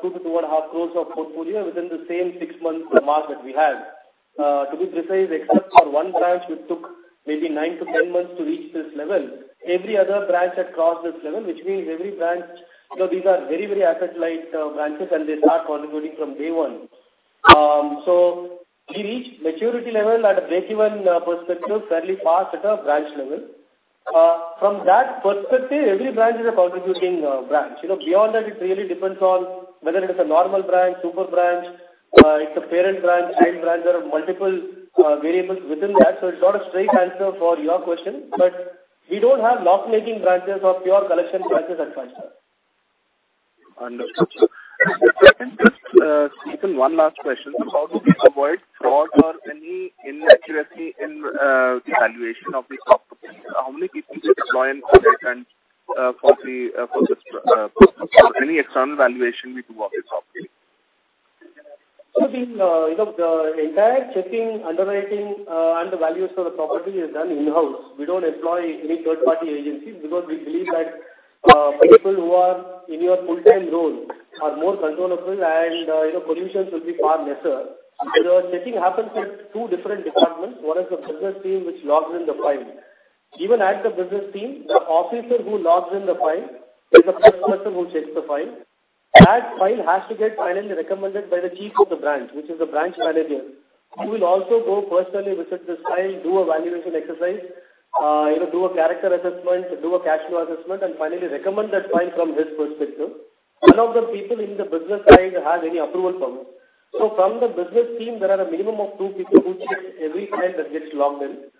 2.5... 2-2.5 crores of portfolio within the same 6-month mark that we had. To be precise, except for one branch which took maybe 9-10 months to reach this level, every other branch had crossed this level, which means every branch, you know, these are very, very asset light branches, and they start contributing from day one. We reach maturity level at a break-even perspective fairly fast at a branch level. From that perspective, every branch is a contributing branch. You know, beyond that, it really depends on whether it is a normal branch, super branch, it's a parent branch, child branch. There are multiple variables within that. It's not a straight answer for your question, but we don't have loss-making branches or pure collection branches as such, sir. Understood, sir. If I can just sneak in one last question, sir. How do we avoid fraud or any inaccuracy in the valuation of the property? How many people do you employ in credit and for the for this purpose? Or any external valuation we do of this property? The, you know, the entire checking, underwriting, and the values for the property is done in-house. We don't employ any third-party agencies because we believe that people who are in your full-time role are more controllable and, you know, pollutions will be far lesser. The checking happens in two different departments. One is the business team which logs in the file. Even at the business team, the officer who logs in the file is the first person who checks the file. That file has to get finally recommended by the chief of the branch, which is the branch manager, who will also go personally visit this file, do a valuation exercise, you know, do a character assessment, do a casual assessment, and finally recommend that file from his perspective. None of the people in the business side have any approval power. From the business team, there are a minimum of two people who check every file that gets logged in.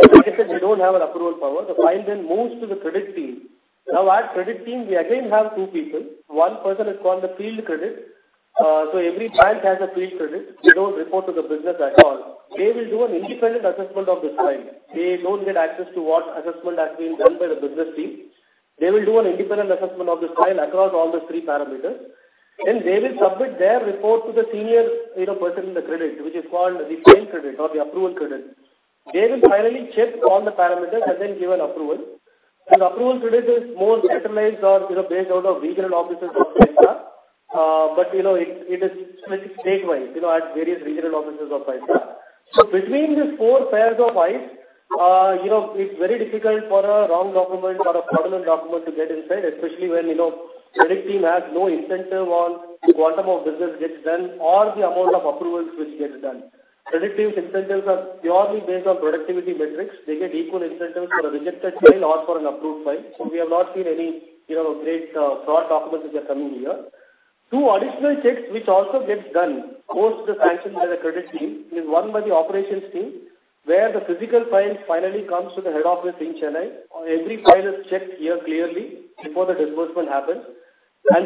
Like I said, they don't have an approval power. The file moves to the credit team. At credit team, we again have two people. One person is called the field credit. Every branch has a field credit. They don't report to the business at all. They will do an independent assessment of this file. They don't get access to what assessment has been done by the business team. They will do an independent assessment of this file across all the three parameters. They will submit their report to the senior, you know, person in the credit, which is called the chain credit or the approval credit. They will finally check on the parameters and then give an approval. This approval credit is more centralized or, you know, based out of regional offices of Paisabazaar, but you know, it is split state-wise, you know, at various regional offices of Paisabazaar. Between these four pairs of eyes, you know, it's very difficult for a wrong document or a fraudulent document to get inside, especially when, you know, credit team has no incentive on the quantum of business gets done or the amount of approvals which gets done. Credit team's incentives are purely based on productivity metrics. They get equal incentives for a rejected file or for an approved file. We have not seen any, you know, great fraud documents which are coming here. Two additional checks which also gets done post the sanction by the credit team is one by the operations team, where the physical file finally comes to the head office in Chennai. Every file is checked here clearly before the disbursement happens.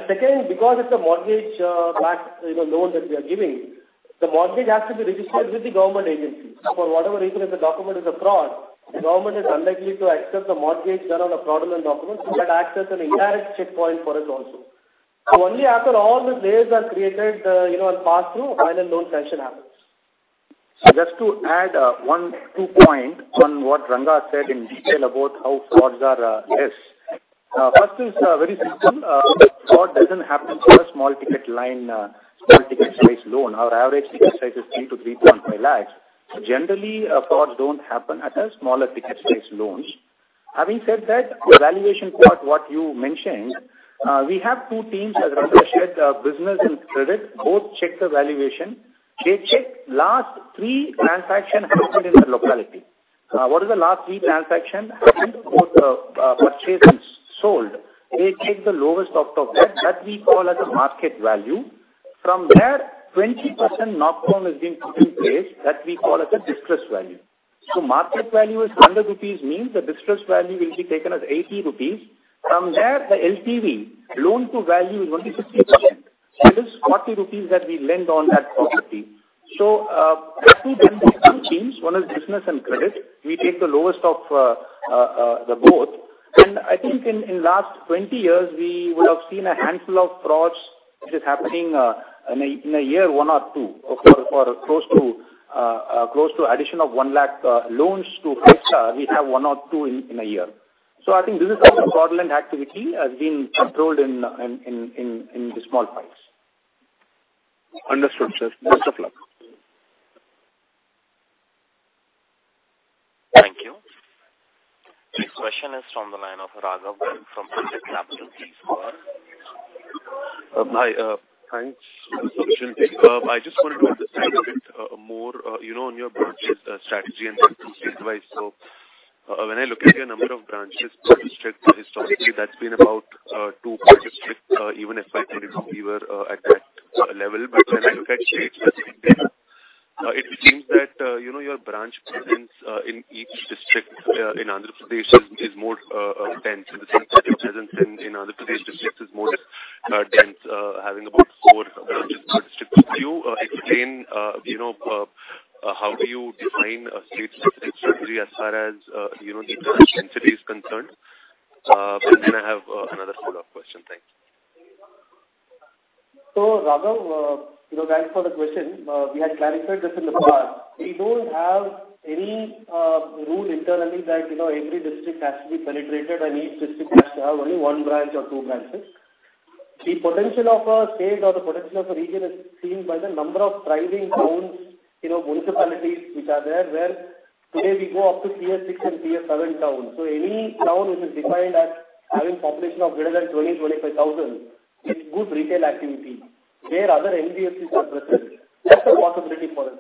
Second, because it's a mortgage backed, you know, loan that we are giving, the mortgage has to be registered with the government agencies. For whatever reason, if the document is a fraud, the government is unlikely to accept the mortgage done on a fraudulent document. That acts as an indirect checkpoint for us also. Only after all these layers are created, you know, and passed through, final loan sanction happens. Just to add, one, two point on what Ranga said in detail about how frauds are less. First is very simple. Fraud doesn't happen to a small ticket line, small ticket size loan. Our average ticket size is 3-3.5 lakhs. Generally, frauds don't happen at a smaller ticket size loans. Having said that, the valuation part what you mentioned-we have two teams that run the business and credit. Both check the valuation. They check last three transaction happened in the locality. What is the last three transaction happened both, purchase and sold. They take the lowest of the debt that we call as a market value. From there 20% knockdown is being put in place that we call as a distress value. Market value is 100 rupees means the distress value will be taken as 80 rupees. From there, the LTV, loan to value is only 60%. That is 40 rupees that we lend on that property. Actually there is two teams. One is business and credit. We take the lowest of the both. I think in last 20 years we would have seen a handful of frauds which is happening in a year, one or two. For close to addition of 1 lakh loans to Vistaar, we have one or two in a year. I think this is also a prevalent activity, has been controlled in the small files. Understood, sir. Best of luck. Thank you. The next question is from the line of Raghavendra from Edelweiss Capital Pvt. Ltd. Hi, thanks Subish. I just wanted to understand a bit more, you know, on your branches strategy and state wise. When I look at your number of branches per district historically, that's been about 2 per district. Even FY 2022 we were at that level. When I look at state specific data, it seems that, you know, your branch presence in each district in Andhra Pradesh is more dense. It seems that your presence in Andhra Pradesh districts is more dense, having about 4 branches per district. Could you explain, you know, how do you define a state specific strategy as far as, you know, the branch density is concerned? I have another follow-up question. Thank you. Raghav, you know, thanks for the question. We had clarified this in the past. We don't have any rule internally that, you know, every district has to be penetrated and each district has to have only one branch or two branches. The potential of a state or the potential of a region is seen by the number of thriving towns, you know, municipalities which are there, where today we go up to tier 6 and tier 7 towns. Any town which is defined as having population of greater than 20,000-25,000 with good retail activity where other NBFCs are present, that's a possibility for us.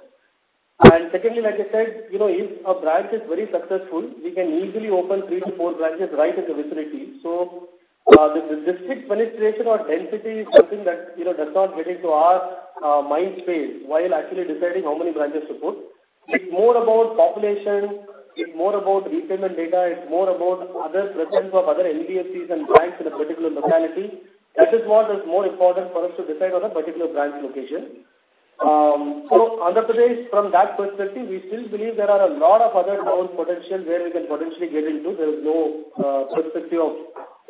Secondly, like I said, you know, if a branch is very successful, we can easily open 3 to 4 branches right in the vicinity. The district penetration or density is something that, you know, does not get into our mind space while actually deciding how many branches to put. It's more about population, it's more about repayment data, it's more about other presence of other NBFCs and banks in a particular locality. That is what is more important for us to decide on a particular branch location. Andhra Pradesh from that perspective, we still believe there are a lot of other known potential where we can potentially get into. There is no perspective of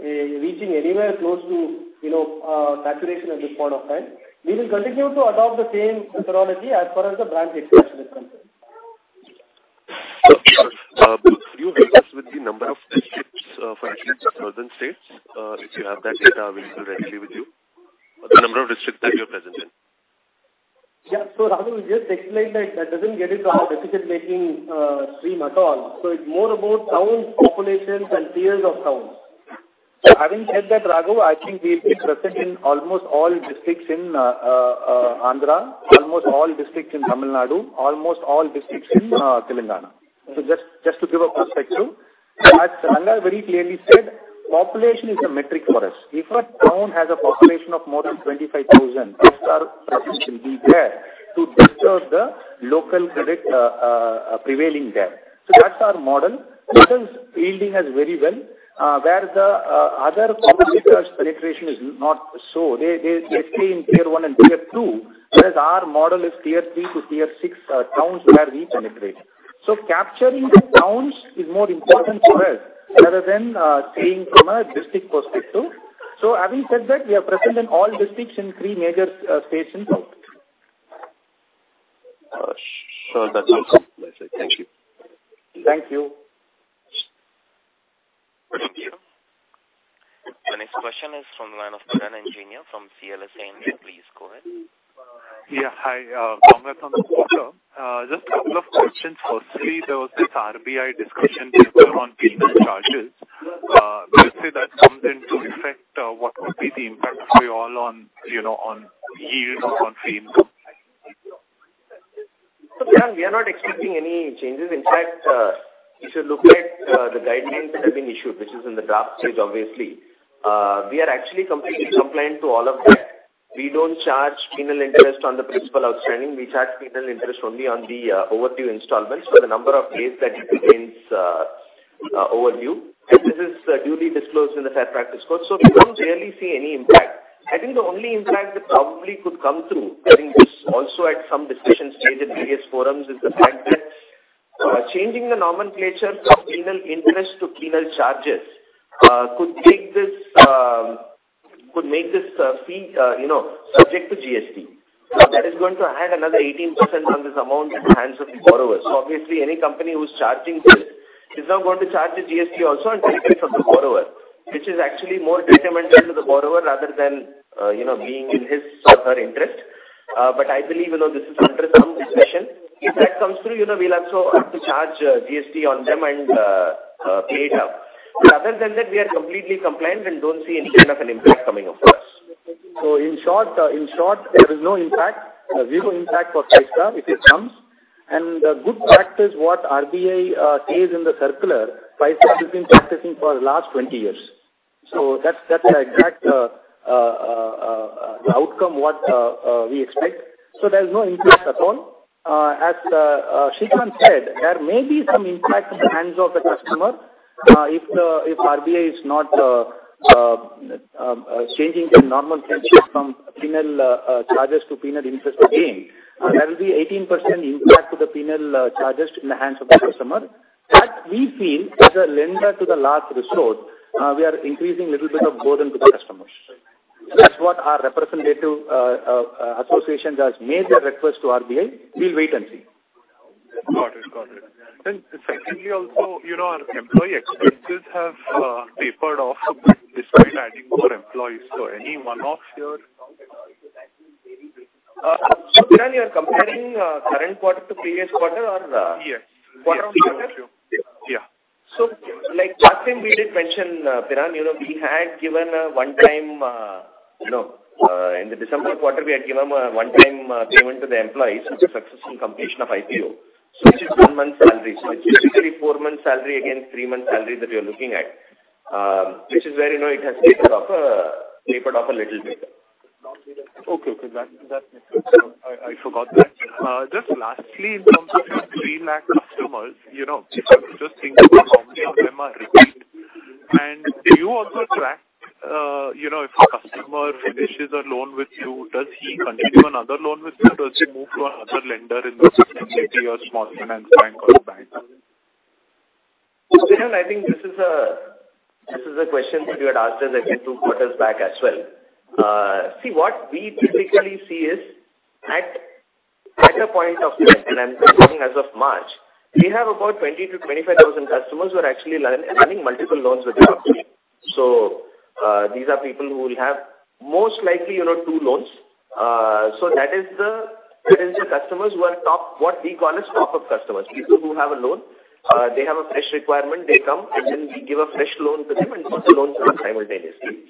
reaching anywhere close to, you know, saturation at this point of time. We will continue to adopt the same methodology as far as the branch expansion is concerned. Sir, could you help us with the number of districts, for at least southern states, if you have that data available readily with you? The number of districts that you are present in. Raghav, we just explained that that doesn't get into our decision making stream at all. It's more about towns, populations and tiers of towns. Having said that, Raghav, I think we'll be present in almost all districts in Andhra, almost all districts in Tamil Nadu, almost all districts in Telangana. Just to give a perspective. As Ranga very clearly said, population is a metric for us. If a town has a population of more than 25,000, that's our presence will be there to disturb the local credit prevailing there. That's our model, which is yielding us very well, where the other competitors penetration is not so. They stay in tier 1 and tier 2, whereas our model is tier 3 to tier 6 towns where we penetrate. Capturing the towns is more important for us rather than staying from a district perspective. Having said that, we are present in all districts in three major states in South. Sure. That's also clear. Thank you. Thank you. Thank you. The next question is from the line of Kiran Engineer from CLSA. Please go ahead. Yeah. Hi, welcome. Just a couple of questions. Firstly, there was this RBI discussion paper on penal charges. To the extent that comes into effect, what would be the impact for you all on, you know, on yield or on fee income? Kiran, we are not expecting any changes. In fact, if you look at the guidelines that have been issued, which is in the draft stage obviously, we are actually completely compliant to all of that. We don't charge penal interest on the principal outstanding. We charge penal interest only on the overdue installments for the number of days that it remains overdue. This is duly disclosed in the Fair Practices Code, so we don't really see any impact. I think the only impact that probably could come through, I think this also had some discussions made in various forums, is the fact that changing the nomenclature from penal interest to penal charges, could make this fee, you know, subject to GST. That is going to add another 18% on this amount in the hands of the borrowers. Obviously any company who's charging this is now going to charge the GST also and take it from the borrower, which is actually more detrimental to the borrower rather than, you know, being in his or her interest. I believe, you know, this is under some discussion. If that comes through, you know, we'll also have to charge GST on them and pay it up. Other than that, we are completely compliant and don't see any kind of an impact coming across. In short, in short, there is no impact. Zero impact for Paisabazaar if it comes. The good practice what RBI says in the circular, Paisabazaar has been practicing for the last 20 years. That's, that's the exact the outcome what we expect. There is no impact at all. As Srikant said, there may be some impact in the hands of the customer, if the, if RBI is not changing the normal principle from penal charges to penal interest again. There will be 18% impact to the penal charges in the hands of the customer. That we feel as a lender to the large resource, we are increasing little bit of burden to the customers. That's what our representative associations has made their request to RBI. We'll wait and see. Got it. Got it. Secondly also, you know, our employee expenses have tapered off a bit despite adding more employees. Any one-off here? Biran, you are comparing, current quarter to previous quarter? Yes. Quarter-on-quarter? Yeah. Like last time we did mention, Biran, you know, we had given a one-time, you know, in the December quarter, we had given a one-time payment to the employees with the successful completion of IPO. Which is 1 month salary. It's basically 4 months salary against 3 months salary that you're looking at, which is where, you know, it has tapered off a little bit. Okay. Okay. That makes sense. I forgot that. Just lastly, in terms of your 3 lac customers, you know, just seeing how many of them are repeat. Do you also track, you know, if a customer finishes a loan with you, does he continue another loan with you? Does he move to another lender in the system, say, be a small finance bank or a bank? Biran, I think this is a, this is a question that you had asked us a few quarters back as well. See, what we typically see is at a point of time, and I'm talking as of March, we have about 20,000-25,000 customers who are actually having multiple loans with us. These are people who will have most likely, you know, two loans. That is the potential customers who are top, what we call as top-up customers. People who have a loan, they have a fresh requirement, they come, and then we give a fresh loan to them and both the loans run simultaneously.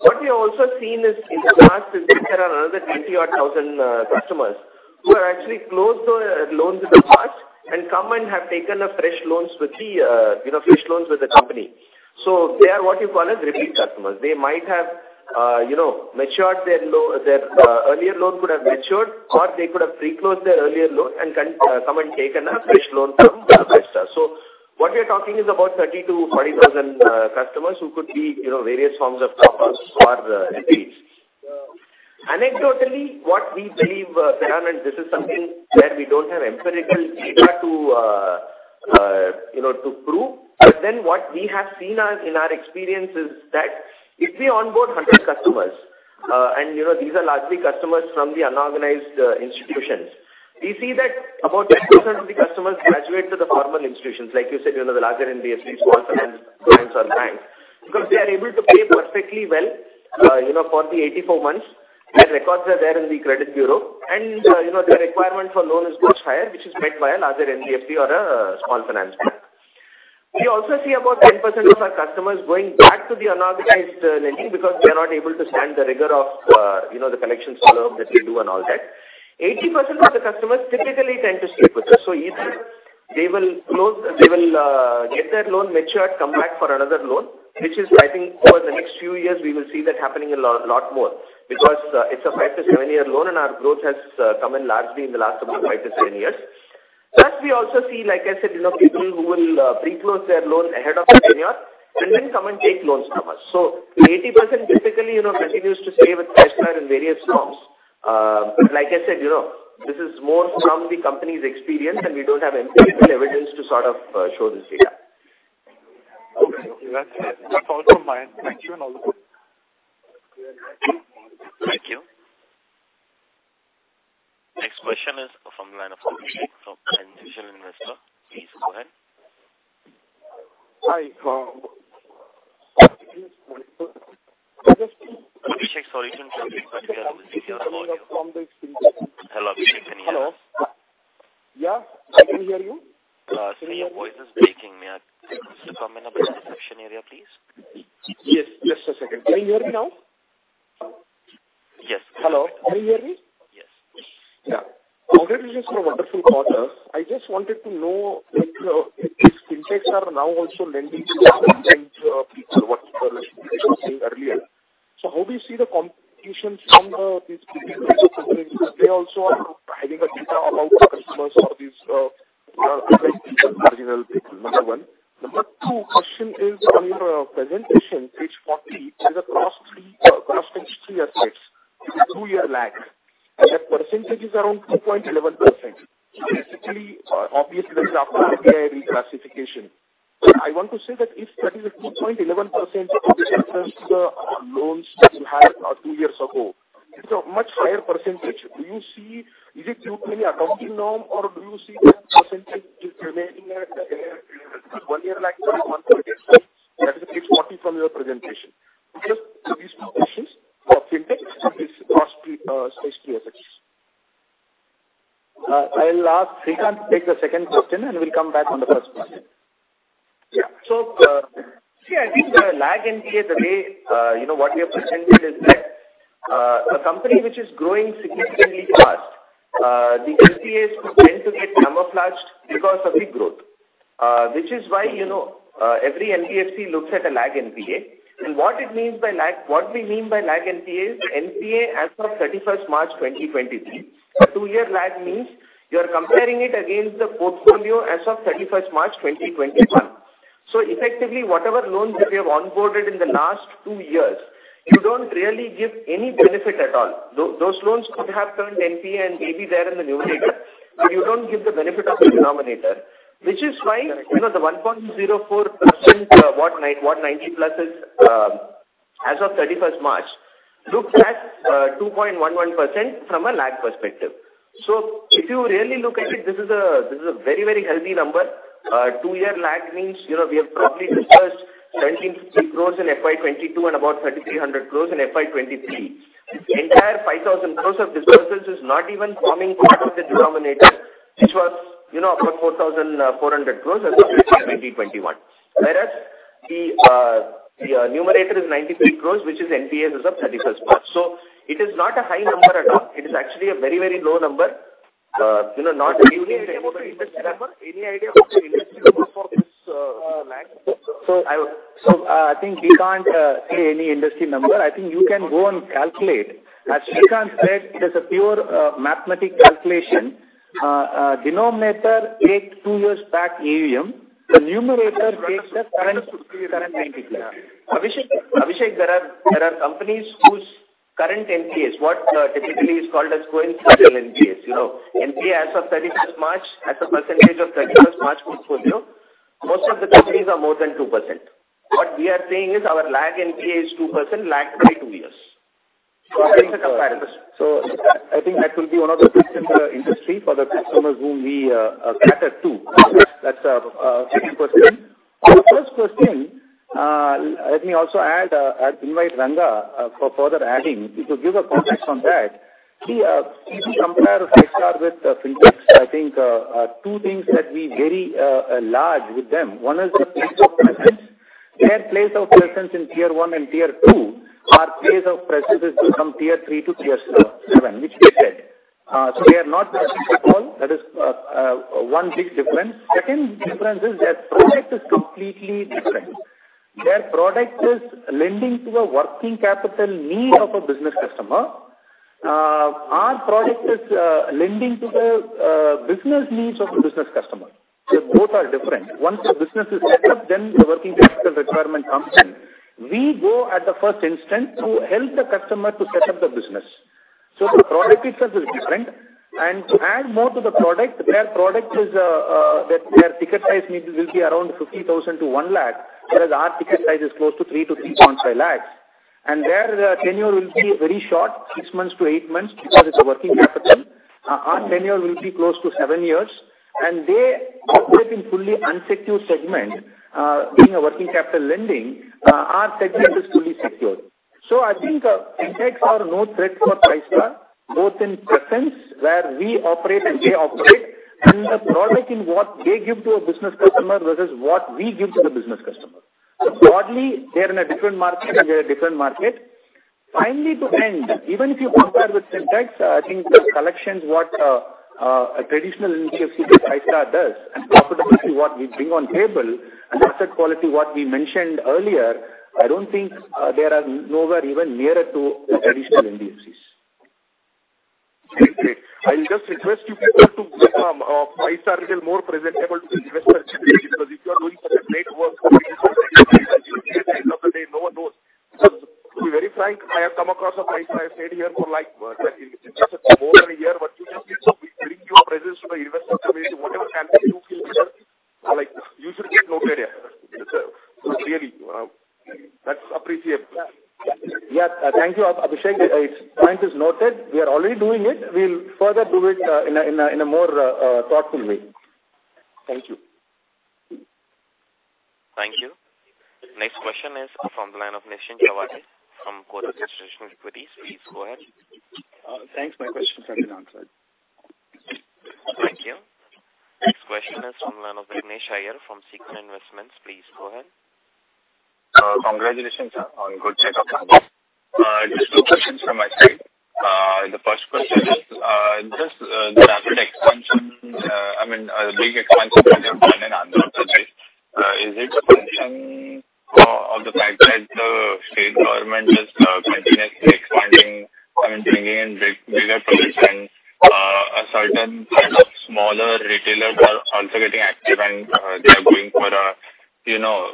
What we have also seen is in the past is that there are another 20 odd thousand customers who have actually closed their loans in the past and come and have taken a fresh loans with the, you know, fresh loans with the company. They are what you call as repeat customers. They might have, you know, matured their earlier loan could have matured, or they could have pre-closed their earlier loan and come and taken a fresh loan from Paisabazaar. What we are talking is about 30-40 thousand customers who could be, you know, various forms of toppers or repeats. Anecdotally, what we believe, Biran, and this is something where we don't have empirical data to, you know, to prove. What we have seen as in our experience is that if we onboard 100 customers, and you know, these are largely customers from the unorganized institutions, we see that about 10% of the customers graduate to the formal institutions. Like you said, you know, the larger NBFC, small finance banks or banks. They are able to pay perfectly well, you know, for the 84 months and records are there in the credit bureau and, you know, their requirement for loan is much higher, which is met by a larger NBFC or a small finance bank. We also see about 10% of our customers going back to the unorganized lending because they are not able to stand the rigor of, you know, the collection follow-up that we do and all that. 80% of the customers typically tend to stay with us. Either they will close, they will get their loan matured, come back for another loan, which is I think over the next few years we will see that happening a lot more because it's a 5-7 year loan and our growth has come in largely in the last about 5-7 years. Plus, we also see, like I said, you know, people who will pre-close their loan ahead of a year and then come and take loans from us. 80% typically, you know, continues to stay with Paisabazaar in various forms. But like I said, you know, this is more from the company's experience and we don't have empirical evidence to sort of show this data. Okay. That's all from my end. Thank you and all the best. Thank you. Next question is from the line of Abhishek from Financial Investor. Please go ahead. Hi. Abhishek, sorry, you sound very bad. Can you please check your audio? From the experience... Hello, Abhishek, can you hear? Hello. Yeah, I can hear you. See your voice is breaking. Could you come in a better reception area, please? Yes. Just a second. Can you hear me now? Yes. Hello. Can you hear me? Yes. Yeah. Congratulations on a wonderful quarter. I just wanted to know if these fintechs are now also lending to the same segment people what you were saying earlier. How do you see the competition from these fintechs who are in, they also are having a data about customers or like these marginal people, number one. Number two question is on your presentation page 40, there's a past three year rates with a two year lag, that percentage is around 2.11%. Basically, obviously that is after RBI reclassification. I want to say that if that is a 2.11% of this refers to the loans that you had two years ago, it's a much higher percentage. Do you see? Is it due to any accounting norm or do you see that % is remaining at a one year lag? 40 from your presentation. Just these 2 questions for FinTechs and it's for space PSFs. I'll ask Srikanth to take the second question, and we'll come back on the first one. Yeah. See, I think the lag NPA, the way, you know, what we have presented is that a company which is growing significantly fast, the NPAs could tend to get camouflaged because of the growth. Which is why, you know, every NBFC looks at a lag NPA. What we mean by lag NPA is the NPA as of 31st March 2023. A two-year lag means you are comparing it against the portfolio as of 31st March 2021. Effectively, whatever loans that we have onboarded in the last two years, you don't really give any benefit at all. Those loans could have turned NPA and may be there in the numerator, but you don't give the benefit of the denominator. Which is why. Correct. you know, the 1.04%, 9,190 pluses, as of 31st March looks at 2.11% from a lag perspective. If you really look at it, this is a very, very healthy number. 2-year lag means, you know, we have probably dispersed 1,750 crore in FY22 and about 3,300 crore in FY23. Entire 5,000 crore of dispersals is not even forming part of the denominator, which was, you know, about 4,400 crore as of 2021. Whereas the numerator is 93 crore, which is NPAs as of 31st March. It is not a high number at all. It is actually a very, very low number. you know. Any idea about the industry number? Any idea about the industry number for this lag? I think we can't say any industry number. I think you can go and calculate. As Srikanth said, it is a pure mathematic calculation. Denominator takes 2 years back AUM. The numerator takes the current 90+. Abhishek, there are companies whose current NPAs, what typically is called as going through their NPAs. You know, NPA as of 31st March, as a percentage of 31st March portfolio, most of the companies are more than 2%. What we are saying is our lag NPA is 2% lagged by 2 years. That is the comparison. I think that will be one of the fix in the industry for the customers whom we cater to. That's second question. On the first question, let me also add, I'll invite Ranga for further adding. If you give a context on that, see, if you compare Five-Star with FinTechs, I think two things that we very large with them. One is the place of presence. Their place of presence in tier 1 and tier 2. Our place of presence is from tier 3 to tier 7, which we said. We are not touching at all. That is one big difference. Second difference is their product is completely different. Their product is lending to the working capital need of a business customer. ding to the business needs of a business customer. Both are different. Once the business is set up, the working capital requirement comes in. We go at the first instance to help the customer to set up the business. The product itself is different. To add more to the product, their product, their ticket size need will be around 50,000 to 1 lakh, whereas our ticket size is close to 3 lakh to 3.5 lakh. Their tenure will be very short, 6 months to 8 months because it is a working capital. Our tenure will be close to 7 years. They operate in fully unsecured segment, being a working capital lending. Our segment is fully secured I think FinTechs are no threat for Five-Star, both in presence, where we operate and they operate, and the product in what they give to a business customer versus what we give to the business customer. Broadly, they are in a different market and we are in a different market. Finally, to end, even if you compare with FinTechs, I think the collections what a traditional NBFC like Five-Star does and profitability what we bring on table and asset quality what we mentioned earlier, I don't think, they are nowhere even nearer to traditional NBFCs. Great. I'll just request you people to make Five-Star a little more presentable to the investor community, because if you are doing such a great work at the end of the day, no one knows. To be very frank, I have come across Five Star, I've stayed here for, like, in just more than a year. You just need to bring your presence to the investor community, whatever can be, you feel like. Like, you should take note area. Really, that's appreciable. Thank you, Abhishek. Point is noted. We are already doing it. We'll further do it in a more thoughtful way. Thank you. Thank you. Next question is from the line of Nishant Rawale from Kotak Institutional Equities. Please go ahead. Thanks. My question has been answered. Thank you. Next question is from the line of Vignesh Aiyer from Sekur Investments. Please go ahead. Congratulations on good set of numbers. Just 2 questions from my side. The first question is, just the rapid expansion, I mean, big expansion that you have done in Andhra Pradesh, is it a function of the fact that the state government is continuously expanding and bringing in bigger projects and a certain kind of smaller retailers are also getting active and they are going for, you know,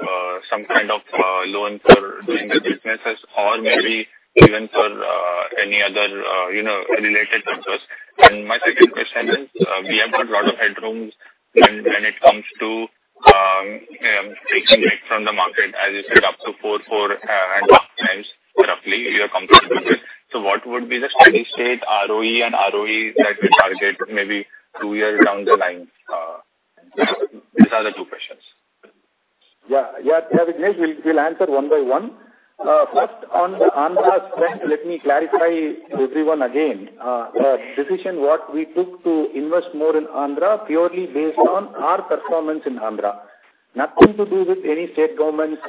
some kind of loan for doing their businesses or maybe even for any other, you know, related purposes. My second question is, we have got lot of headrooms when it comes to taking it from the market, as you said, up to four. What would be the steady state ROE and ROE that we target maybe 2 years down the line? These are the 2 questions. Yeah, Vignesh, we'll answer one by one. First, on the Andhra strength, let me clarify to everyone again. The decision what we took to invest more in Andhra purely based on our performance in Andhra. Nothing to do with any state government's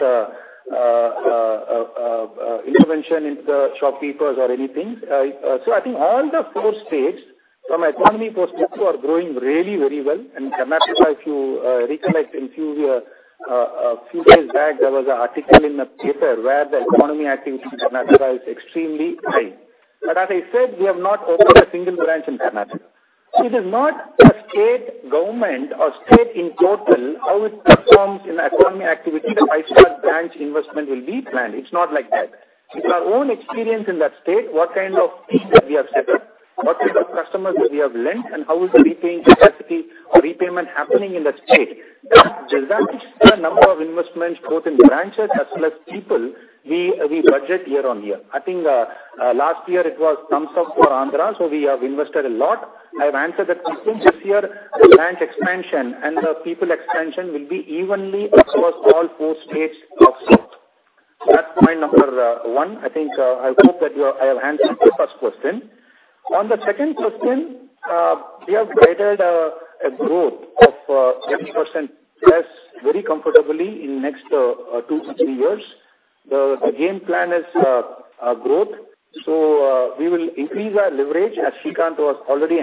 intervention into the shopkeepers or anything. I think all the four states from economy perspective are growing really very well. Karnataka, if you recollect a few days back, there was a article in a paper where the economy activity in Karnataka is extremely high. As I said, we have not opened a single branch in Karnataka. It is not a state government or state in total, how it performs in economy activity that I start branch investment will be planned. It's not like that. It's our own experience in that state, what kind of piece that we have set up, what type of customers we have lent, and how is the repaying capacity or repayment happening in that state. That dictates the number of investments both in the branches as well as people we budget year on year. I think, last year it was thumbs up to Andhra. We have invested a lot. I have answered that question. This year, the branch expansion and the people expansion will be evenly across all four states of South. That's point number one. I think, I hope that I have answered the first question. On the second question, we have guided a growth of 20% plus very comfortably in next 2-3 years. The game plan is growth. We will increase our leverage, as Srikanth was already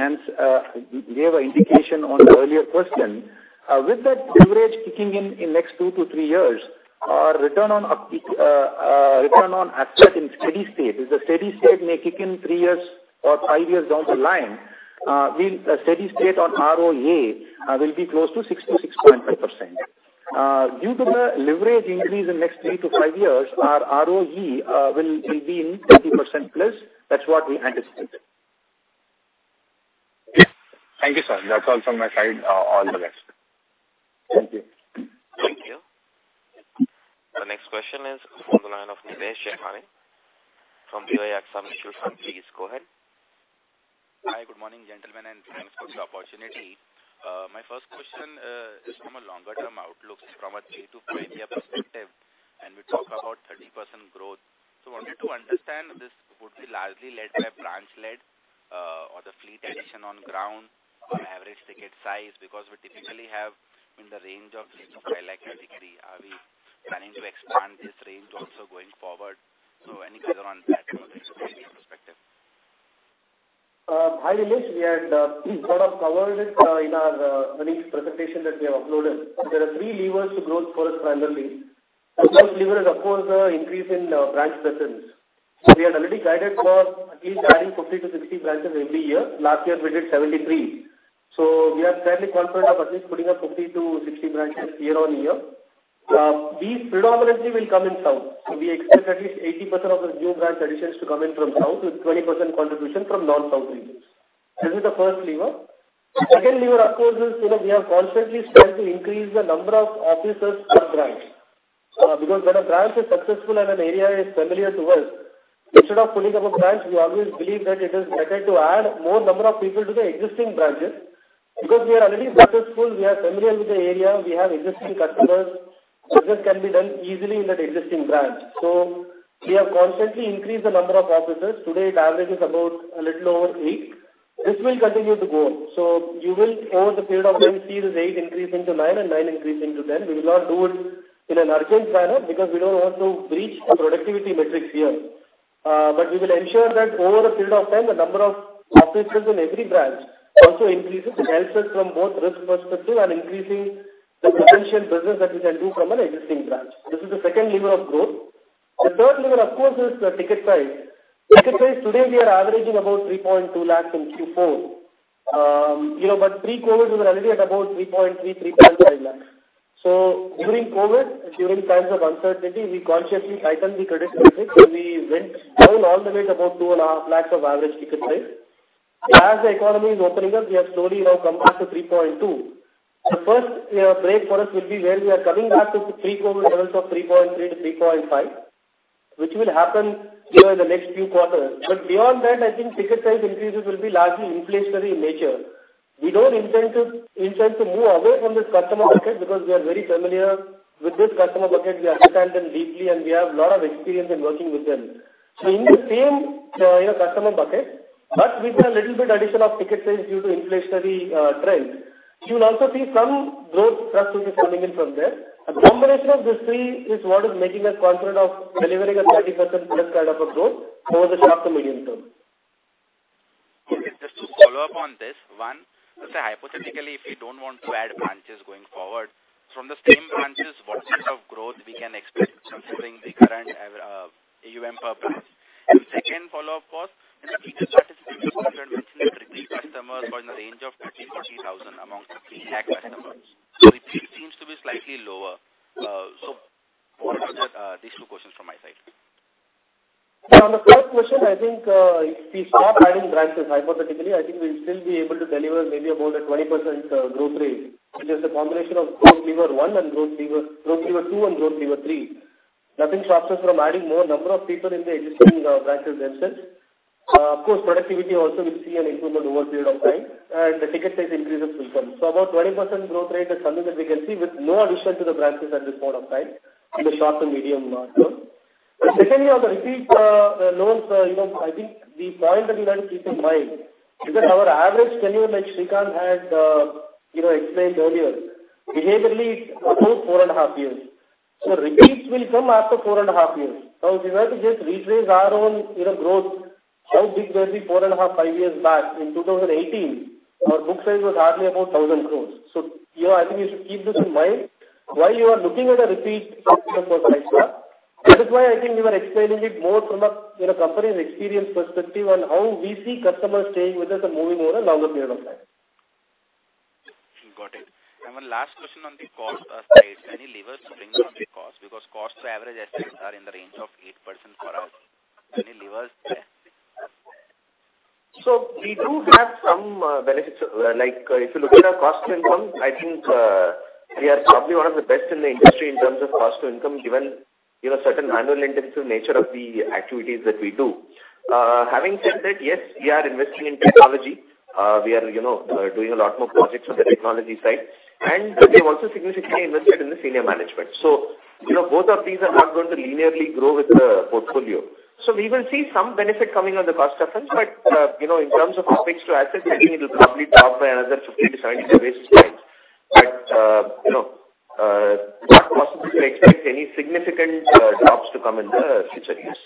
gave a indication on the earlier question. With that leverage kicking in in next 2-3 years, our return on asset in steady state, if the steady state may kick in 3 years or 5 years down the line, a steady state on ROA will be close to 60-60.5%. Due to the leverage increase in next 3-5 years, our ROE will be in 30%+. That's what we anticipate. Thank you, sir. That's all from my side. All the best. Thank you. Thank you. The next question is from the line of Nilesh Jainani from Vijaya Mutual Fund. Please go ahead. Hi. Good morning, gentlemen, thanks for the opportunity. My first question is from a longer term outlook. It's from a 3-5-year perspective, we talk about 30% growth. Wanted to understand, this would be largely led by branch led, or the fleet addition on ground or average ticket size, because we typically have in the range of 3-5 lakh category. Are we planning to expand this range also going forward? Any color on that from a 3-year perspective. Hi, Nilesh. We had sort of covered it in our earnings presentation that we have uploaded. There are 3 levers to growth for us primarily. The first lever is, of course, the increase in branch presence. We had already guided for at least adding 50-60 branches every year. Last year we did 73. We are fairly confident of at least putting up 50-60 branches year-on-year. These predominantly will come in South. We expect at least 80% of the new branch additions to come in from South, with 20% contribution from non-South regions. This is the first lever. Second lever, of course, is, you know, we have constantly strived to increase the number of officers per branch. Because when a branch is successful and an area is familiar to us, instead of putting up a branch, we always believe that it is better to add more number of people to the existing branches. We are already successful, we are familiar with the area, we have existing customers. Business can be done easily in that existing branch. We have constantly increased the number of officers. Today, the average is about a little over 8. This will continue to go on. You will, over the period of time, see this 8 increase into 9 and 9 increase into 10. We will not do it in an urgent manner because we don't want to breach our productivity metrics here. We will ensure that over a period of time, the number of officers in every branch also increases. It helps us from both risk perspective and increasing the potential business that we can do from an existing branch. This is the second lever of growth. The third lever, of course, is the ticket size. Ticket size today we are averaging about 3.2 lakhs in Q4. you know, pre-COVID, we were already at about 3.3 lakhs, 3.5 lakhs. During COVID, during times of uncertainty, we consciously tightened the credit metrics, and we went down all the way to about 2.5 lakhs of average ticket size. As the economy is opening up, we have slowly now come back to 3.2. The first break for us will be where we are coming back to pre-COVID levels of 3.3-3.5, which will happen, you know, in the next few quarters. Beyond that, I think ticket size increases will be largely inflationary in nature. We don't intend to move away from this customer bucket because we are very familiar with this customer bucket. We understand them deeply, and we have lot of experience in working with them. In the same, you know, customer bucket, but with a little bit addition of ticket size due to inflationary trends, you'll also see some growth trajectory coming in from there. A combination of these three is what is making us confident of delivering a 30%+ kind of a growth over the short to medium term. Okay. Just to follow up on this. One, let's say hypothetically, if we don't want to add branches going forward, from the same branches, what sorts of growth we can expect considering the current AUM per branch? Second follow-up was, in the investor presentation, you had mentioned that retail customers were in the range of 30,000-40,000 amongst the 3 lac customers. Retail seems to be slightly lower. What are these two questions from my side? On the first question, I think, if we stop adding branches, hypothetically, I think we'll still be able to deliver maybe about a 20% growth rate, which is the combination of growth lever 1 and growth lever 2 and growth lever 3. Nothing stops us from adding more number of people in the existing branches themselves. Of course, productivity also will see an improvement over a period of time, and the ticket size increases will come. About 20% growth rate is something that we can see with no addition to the branches at this point of time in the short and medium term. Secondly, on the repeat, loans, you know, I think the point that we want to keep in mind is that our average tenure, like Srikanth had, you know, explained earlier, behaviorally it's about four and a half years. Repeats will come after four and a half years. If you were to just retrace our own, you know, growth, how big we were four and a half, five years back in 2018, our book size was hardly about 1,000 crore. You know, I think you should keep this in mind while you are looking at a repeat from Five-Star Business Finance. That is why I think we were explaining it more from a, you know, company's experience perspective on how we see customers staying with us and moving over a longer period of time. Got it. One last question on the cost side. Any levers to bring down the cost? Because cost to average assets are in the range of 8% for us. Any levers there? We do have some benefits. Like, if you look at our cost to income, I think, we are probably one of the best in the industry in terms of cost to income, given, you know, certain manual intensive nature of the activities that we do. Having said that, yes, we are investing in technology. We are, you know, doing a lot more projects on the technology side, and we have also significantly invested in the senior management. You know, both of these are not going to linearly grow with the portfolio. We will see some benefit coming on the cost front, but, you know, in terms of OPEX to assets, I think it'll probably drop by another 50 to 70 basis points. You know, not possible to expect any significant drops to come in the future years.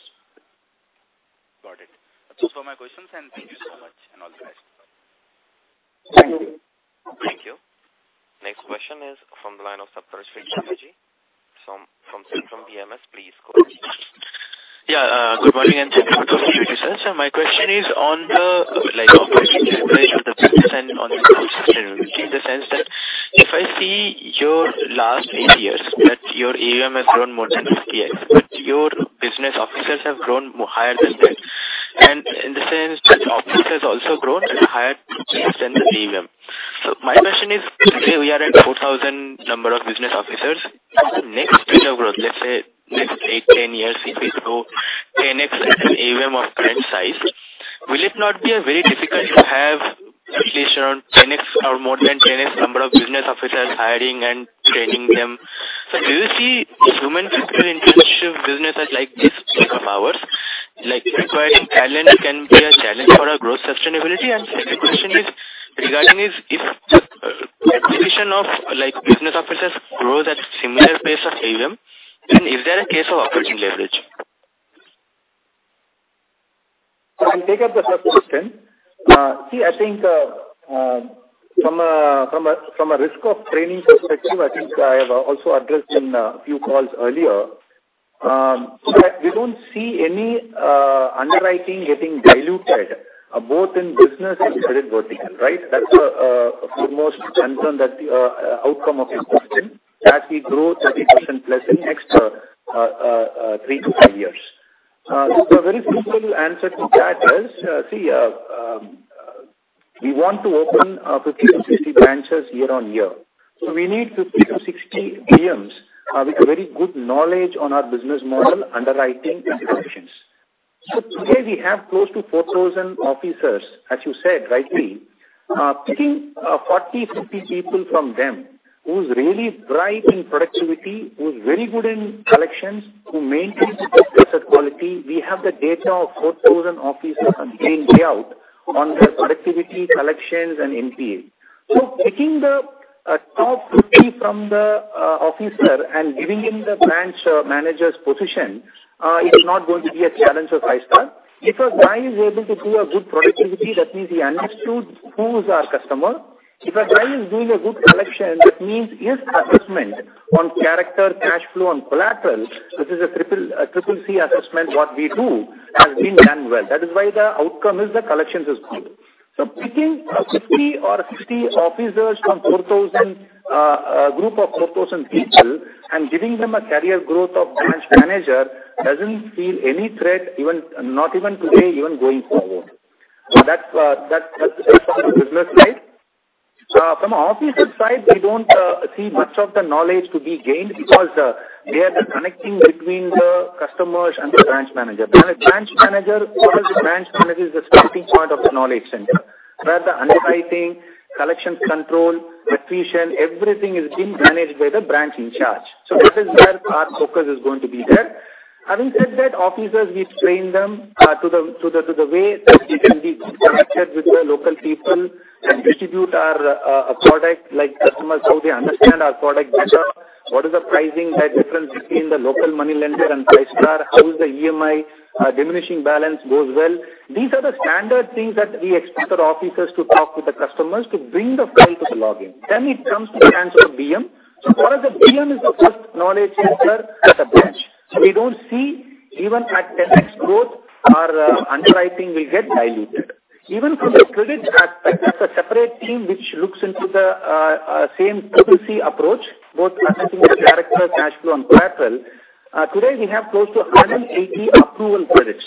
Got it. Those were my questions, and thank you so much and all the best. Thank you. Thank you. Next question is from the line of Saptarshi Ganguly from Centrum Broking. Please go ahead. Yeah. Good morning and thank you for the opportunity, sir. My question is on the, like, operating leverage of the business and on the growth sustainability, in the sense that if I see your last eight years, that your AUM has grown more than 50x, but your business officers have grown more higher than that. In the sense that officers also grown at a higher pace than the AUM. My question is, today we are at 4,000 number of business officers. Next period of growth, let's say next eight, 10 years, if we grow 10x at an AUM of current size, will it not be a very difficult to have at least around 10x or more than 10x number of business officers hiring and training them? Do you see human people intensive businesses like this scale up ours? Like requiring talent can be a challenge for our growth sustainability. Second question is regarding if acquisition of like business officers grows at similar pace of AUM, then is there a case of operating leverage? I will take up the first question. See, I think, from a risk of training perspective, I think I have also addressed in a few calls earlier, that we don't see any underwriting getting diluted, both in business and credit vertical, right? That's foremost concern that outcome of this question, that we grow 30% plus in next 3-5 years. A very simple answer to that is, see, we want to open 50-60 branches year on year. We need 50-60 BMs with a very good knowledge on our business model, underwriting and collections. Today we have close to 4,000 officers, as you said rightly. Picking 40, 50 people from them who is really bright in productivity, who is very good in collections, who maintains a good asset quality. We have the data of 4,000 officers on day in, day out on their productivity, collections and NPA. Picking the top 50 from the officer and giving him the branch manager's position is not going to be a challenge for Five-Star. If a guy is able to do a good productivity, that means he understood who is our customer. If a guy is doing a good collection, that means his assessment on character, cash flow and collateral, which is a triple C assessment what we do, has been done well. That is why the outcome is the collections is good. Picking 50 or 60 officers from 4,000 group of 4,000 people and giving them a career growth of branch manager doesn't feel any threat, even, not even today, even going forward. That's, that's it from the business side. From officers side, we don't see much of the knowledge to be gained because they are the connecting between the customers and the branch manager. Branch manager... Because the branch manager is the starting point of the knowledge center, where the underwriting, collections control, attrition, everything is being managed by the branch in charge. This is where our focus is going to be there. Having said that, officers, we train them to the way that they can be connected with the local people and distribute our product, like customers, how they understand our product better. What is the pricing difference between the local money lender and Five-Star? How is the EMI? Diminishing balance goes well. These are the standard things that we expect our officers to talk with the customers to bring the file to the login. It comes to the hands of BM. Because the BM is the first knowledge center at the branch. We don't see even at 10x growth our underwriting will get diluted. Even from the credit aspect, there's a separate team which looks into the same triple C approach, both assessing the character, cash flow and collateral. Today we have close to 180 approval credits.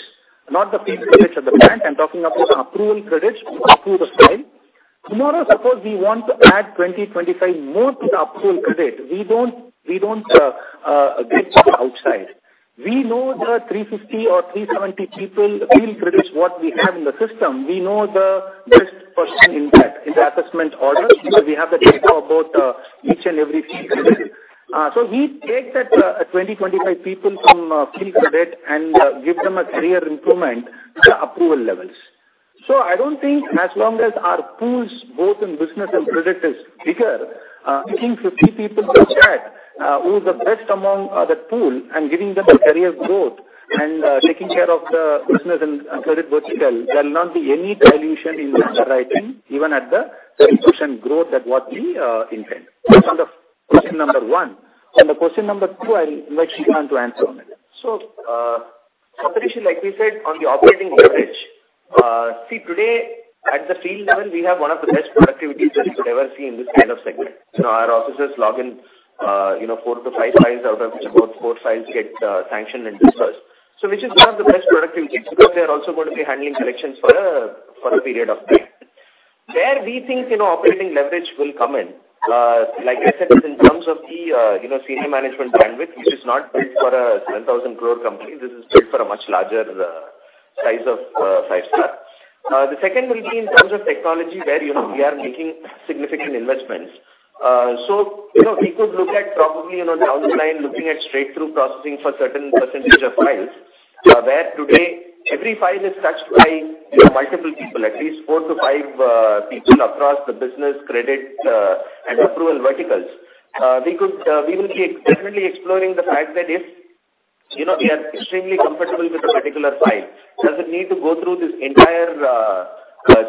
Not the paid credits at the bank. I'm talking of those approval credits to approve the file. Tomorrow, suppose we want to add 20-25 more to the approval credit. We don't get outside. We know the 350 or 370 people field credit what we have in the system. We know the best person in that, in the assessment order, because we have the data about each and every field credit. We take that 20-25 people from field credit and give them a career improvement to the approval levels. I don't think as long as our pools, both in business and credit is bigger, picking 50 people to chat, who is the best among that pool and giving them a career growth and taking care of the business and credit vertical, there will not be any dilution in risk underwriting even at the 30% growth that what we intend. That's on the question number one. On the question number two, I'll invite Srikanth to answer on that. Satish, like we said on the operating leverage, see today at the field level, we have one of the best productivities that you could ever see in this kind of segment. You know, our officers log in, you know, 4 to 5 files out of which about 4 files get sanctioned and dispersed. Which is one of the best productivities because they are also going to be handling collections for a period of time. Where we think, you know, operating leverage will come in, like I said, is in terms of the, you know, senior management bandwidth, which is not built for an 7,000 crore company. This is built for a much larger, size of, Five-Star. The second will be in terms of technology where, you know, we are making significant investments. You know, we could look at probably, you know, down the line looking at straight-through processing for certain % of files. Where today every file is touched by, you know, multiple people, at least four to five, people across the business credit, and approval verticals. We could, we will be definitely exploring the fact that if, you know, we are extremely comfortable with a particular file, does it need to go through this entire,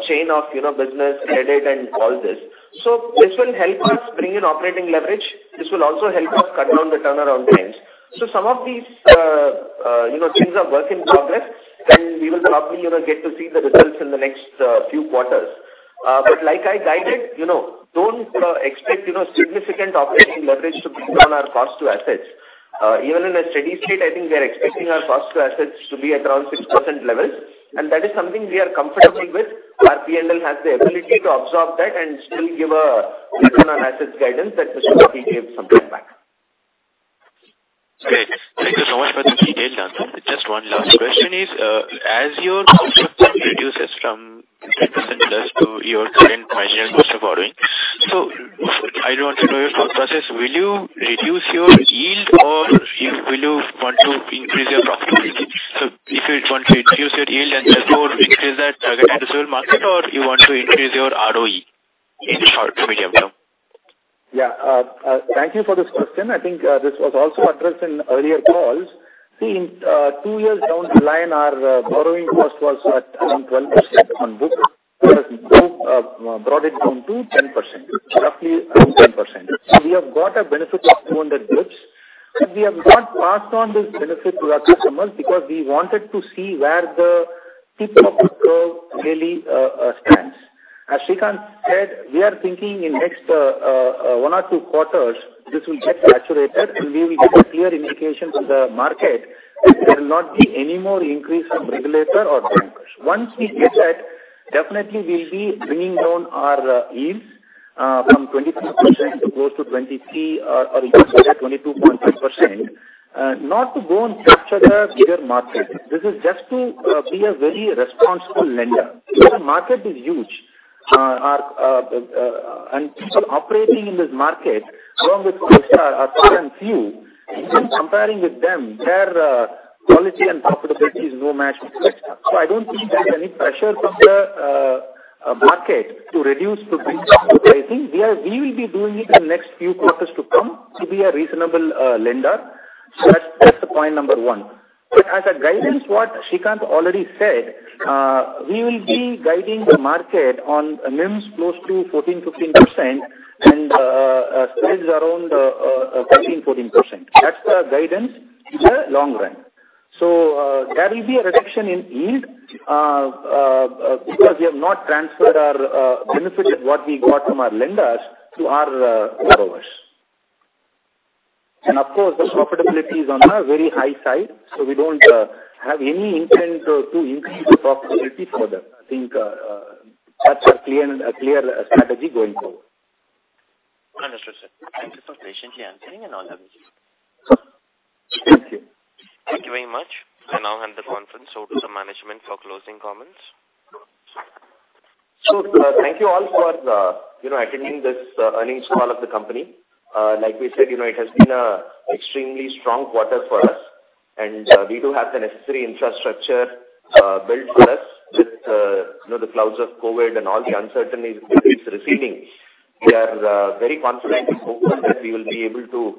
chain of, you know, business credit and all this. This will help us bring in operating leverage. This will also help us cut down the turnaround times. Some of these, you know, things are work in progress, and we will probably, you know, get to see the results in the next, few quarters. like I guided, you know, don't expect, you know, significant operating leverage to bring down our cost to assets. Even in a steady state, I think we are expecting our cost to assets to be around 6% levels, and that is something we are comfortable with. Our PNL has the ability to absorb that and still give a return on assets guidance that Mr. Soti gave some time back. Great. Thank you so much for the detailed answer. Just one last question is, as your cost of fund reduces from 10%+ to your current marginal cost of borrowing. I don't want to know your cost of assets. Will you reduce your yield or will you want to increase your profitability? If you want to reduce your yield and therefore increase that target in the civil market or you want to increase your ROE in short, medium term? Yeah. Thank you for this question. I think this was also addressed in earlier calls. See, in 2 years down the line, our borrowing cost was at around 12% on books. We have brought it down to 10%, roughly around 10%. We have got a benefit of 200 basis. We have not passed on this benefit to our customers because we wanted to see where the tip of the curve really stands. As Srikanth said, we are thinking in next 1 or 2 quarters this will get saturated and we will get a clear indication from the market that there will not be any more increase from regulator or bankers. Once we get that, definitely we'll be bringing down our yields, from 22% close to 23 or even say 22.5%, not to go and capture the bigger market. This is just to be a very responsible lender. The market is huge. People operating in this market along with Five Star are few and few. Even comparing with them, their quality and profitability is no match with Five Star. I don't think there's any pressure from the market to reduce to bring pricing. We will be doing it in next few quarters to come to be a reasonable lender. That's the point number 1. As a guidance, what Srikanth already said, we will be guiding the market on NIMs close to 14%-15% and spreads around 13%-14%. That's the guidance in the long run. There will be a reduction in yield because we have not transferred our benefit of what we got from our lenders to our borrowers. Of course, the profitability is on a very high side, so we don't have any intent to increase the profitability further. I think that's a clear strategy going forward. Understood, sir. Thank you for patiently answering and all having you. Sure. Thank you. Thank you very much. I now hand the conference over to management for closing comments. Thank you all for attending this earnings call of the company. Like we said, it has been a extremely strong quarter for us, and we do have the necessary infrastructure built with us with the clouds of COVID and all the uncertainties it's receding. We are very confident and hopeful that we will be able to,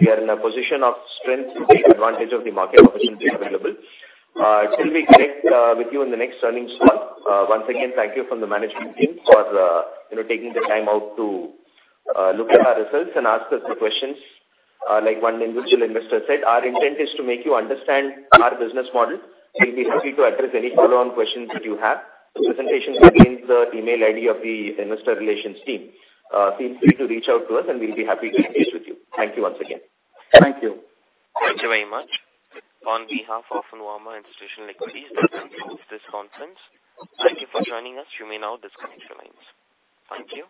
we are in a position of strength to take advantage of the market opportunities available. Till we connect with you in the next earnings call. Once again, thank you from the management team for taking the time out to look at our results and ask us the questions. Like one individual investor said, our intent is to make you understand our business model. We'll be happy to address any follow-on questions that you have. The presentation contains the email ID of the investor relations team. Feel free to reach out to us, and we'll be happy to engage with you. Thank you once again. Thank you. Thank you very much. On behalf of Nuvama Institutional Equities, that concludes this conference. Thank you for joining us. You may now disconnect your lines. Thank you.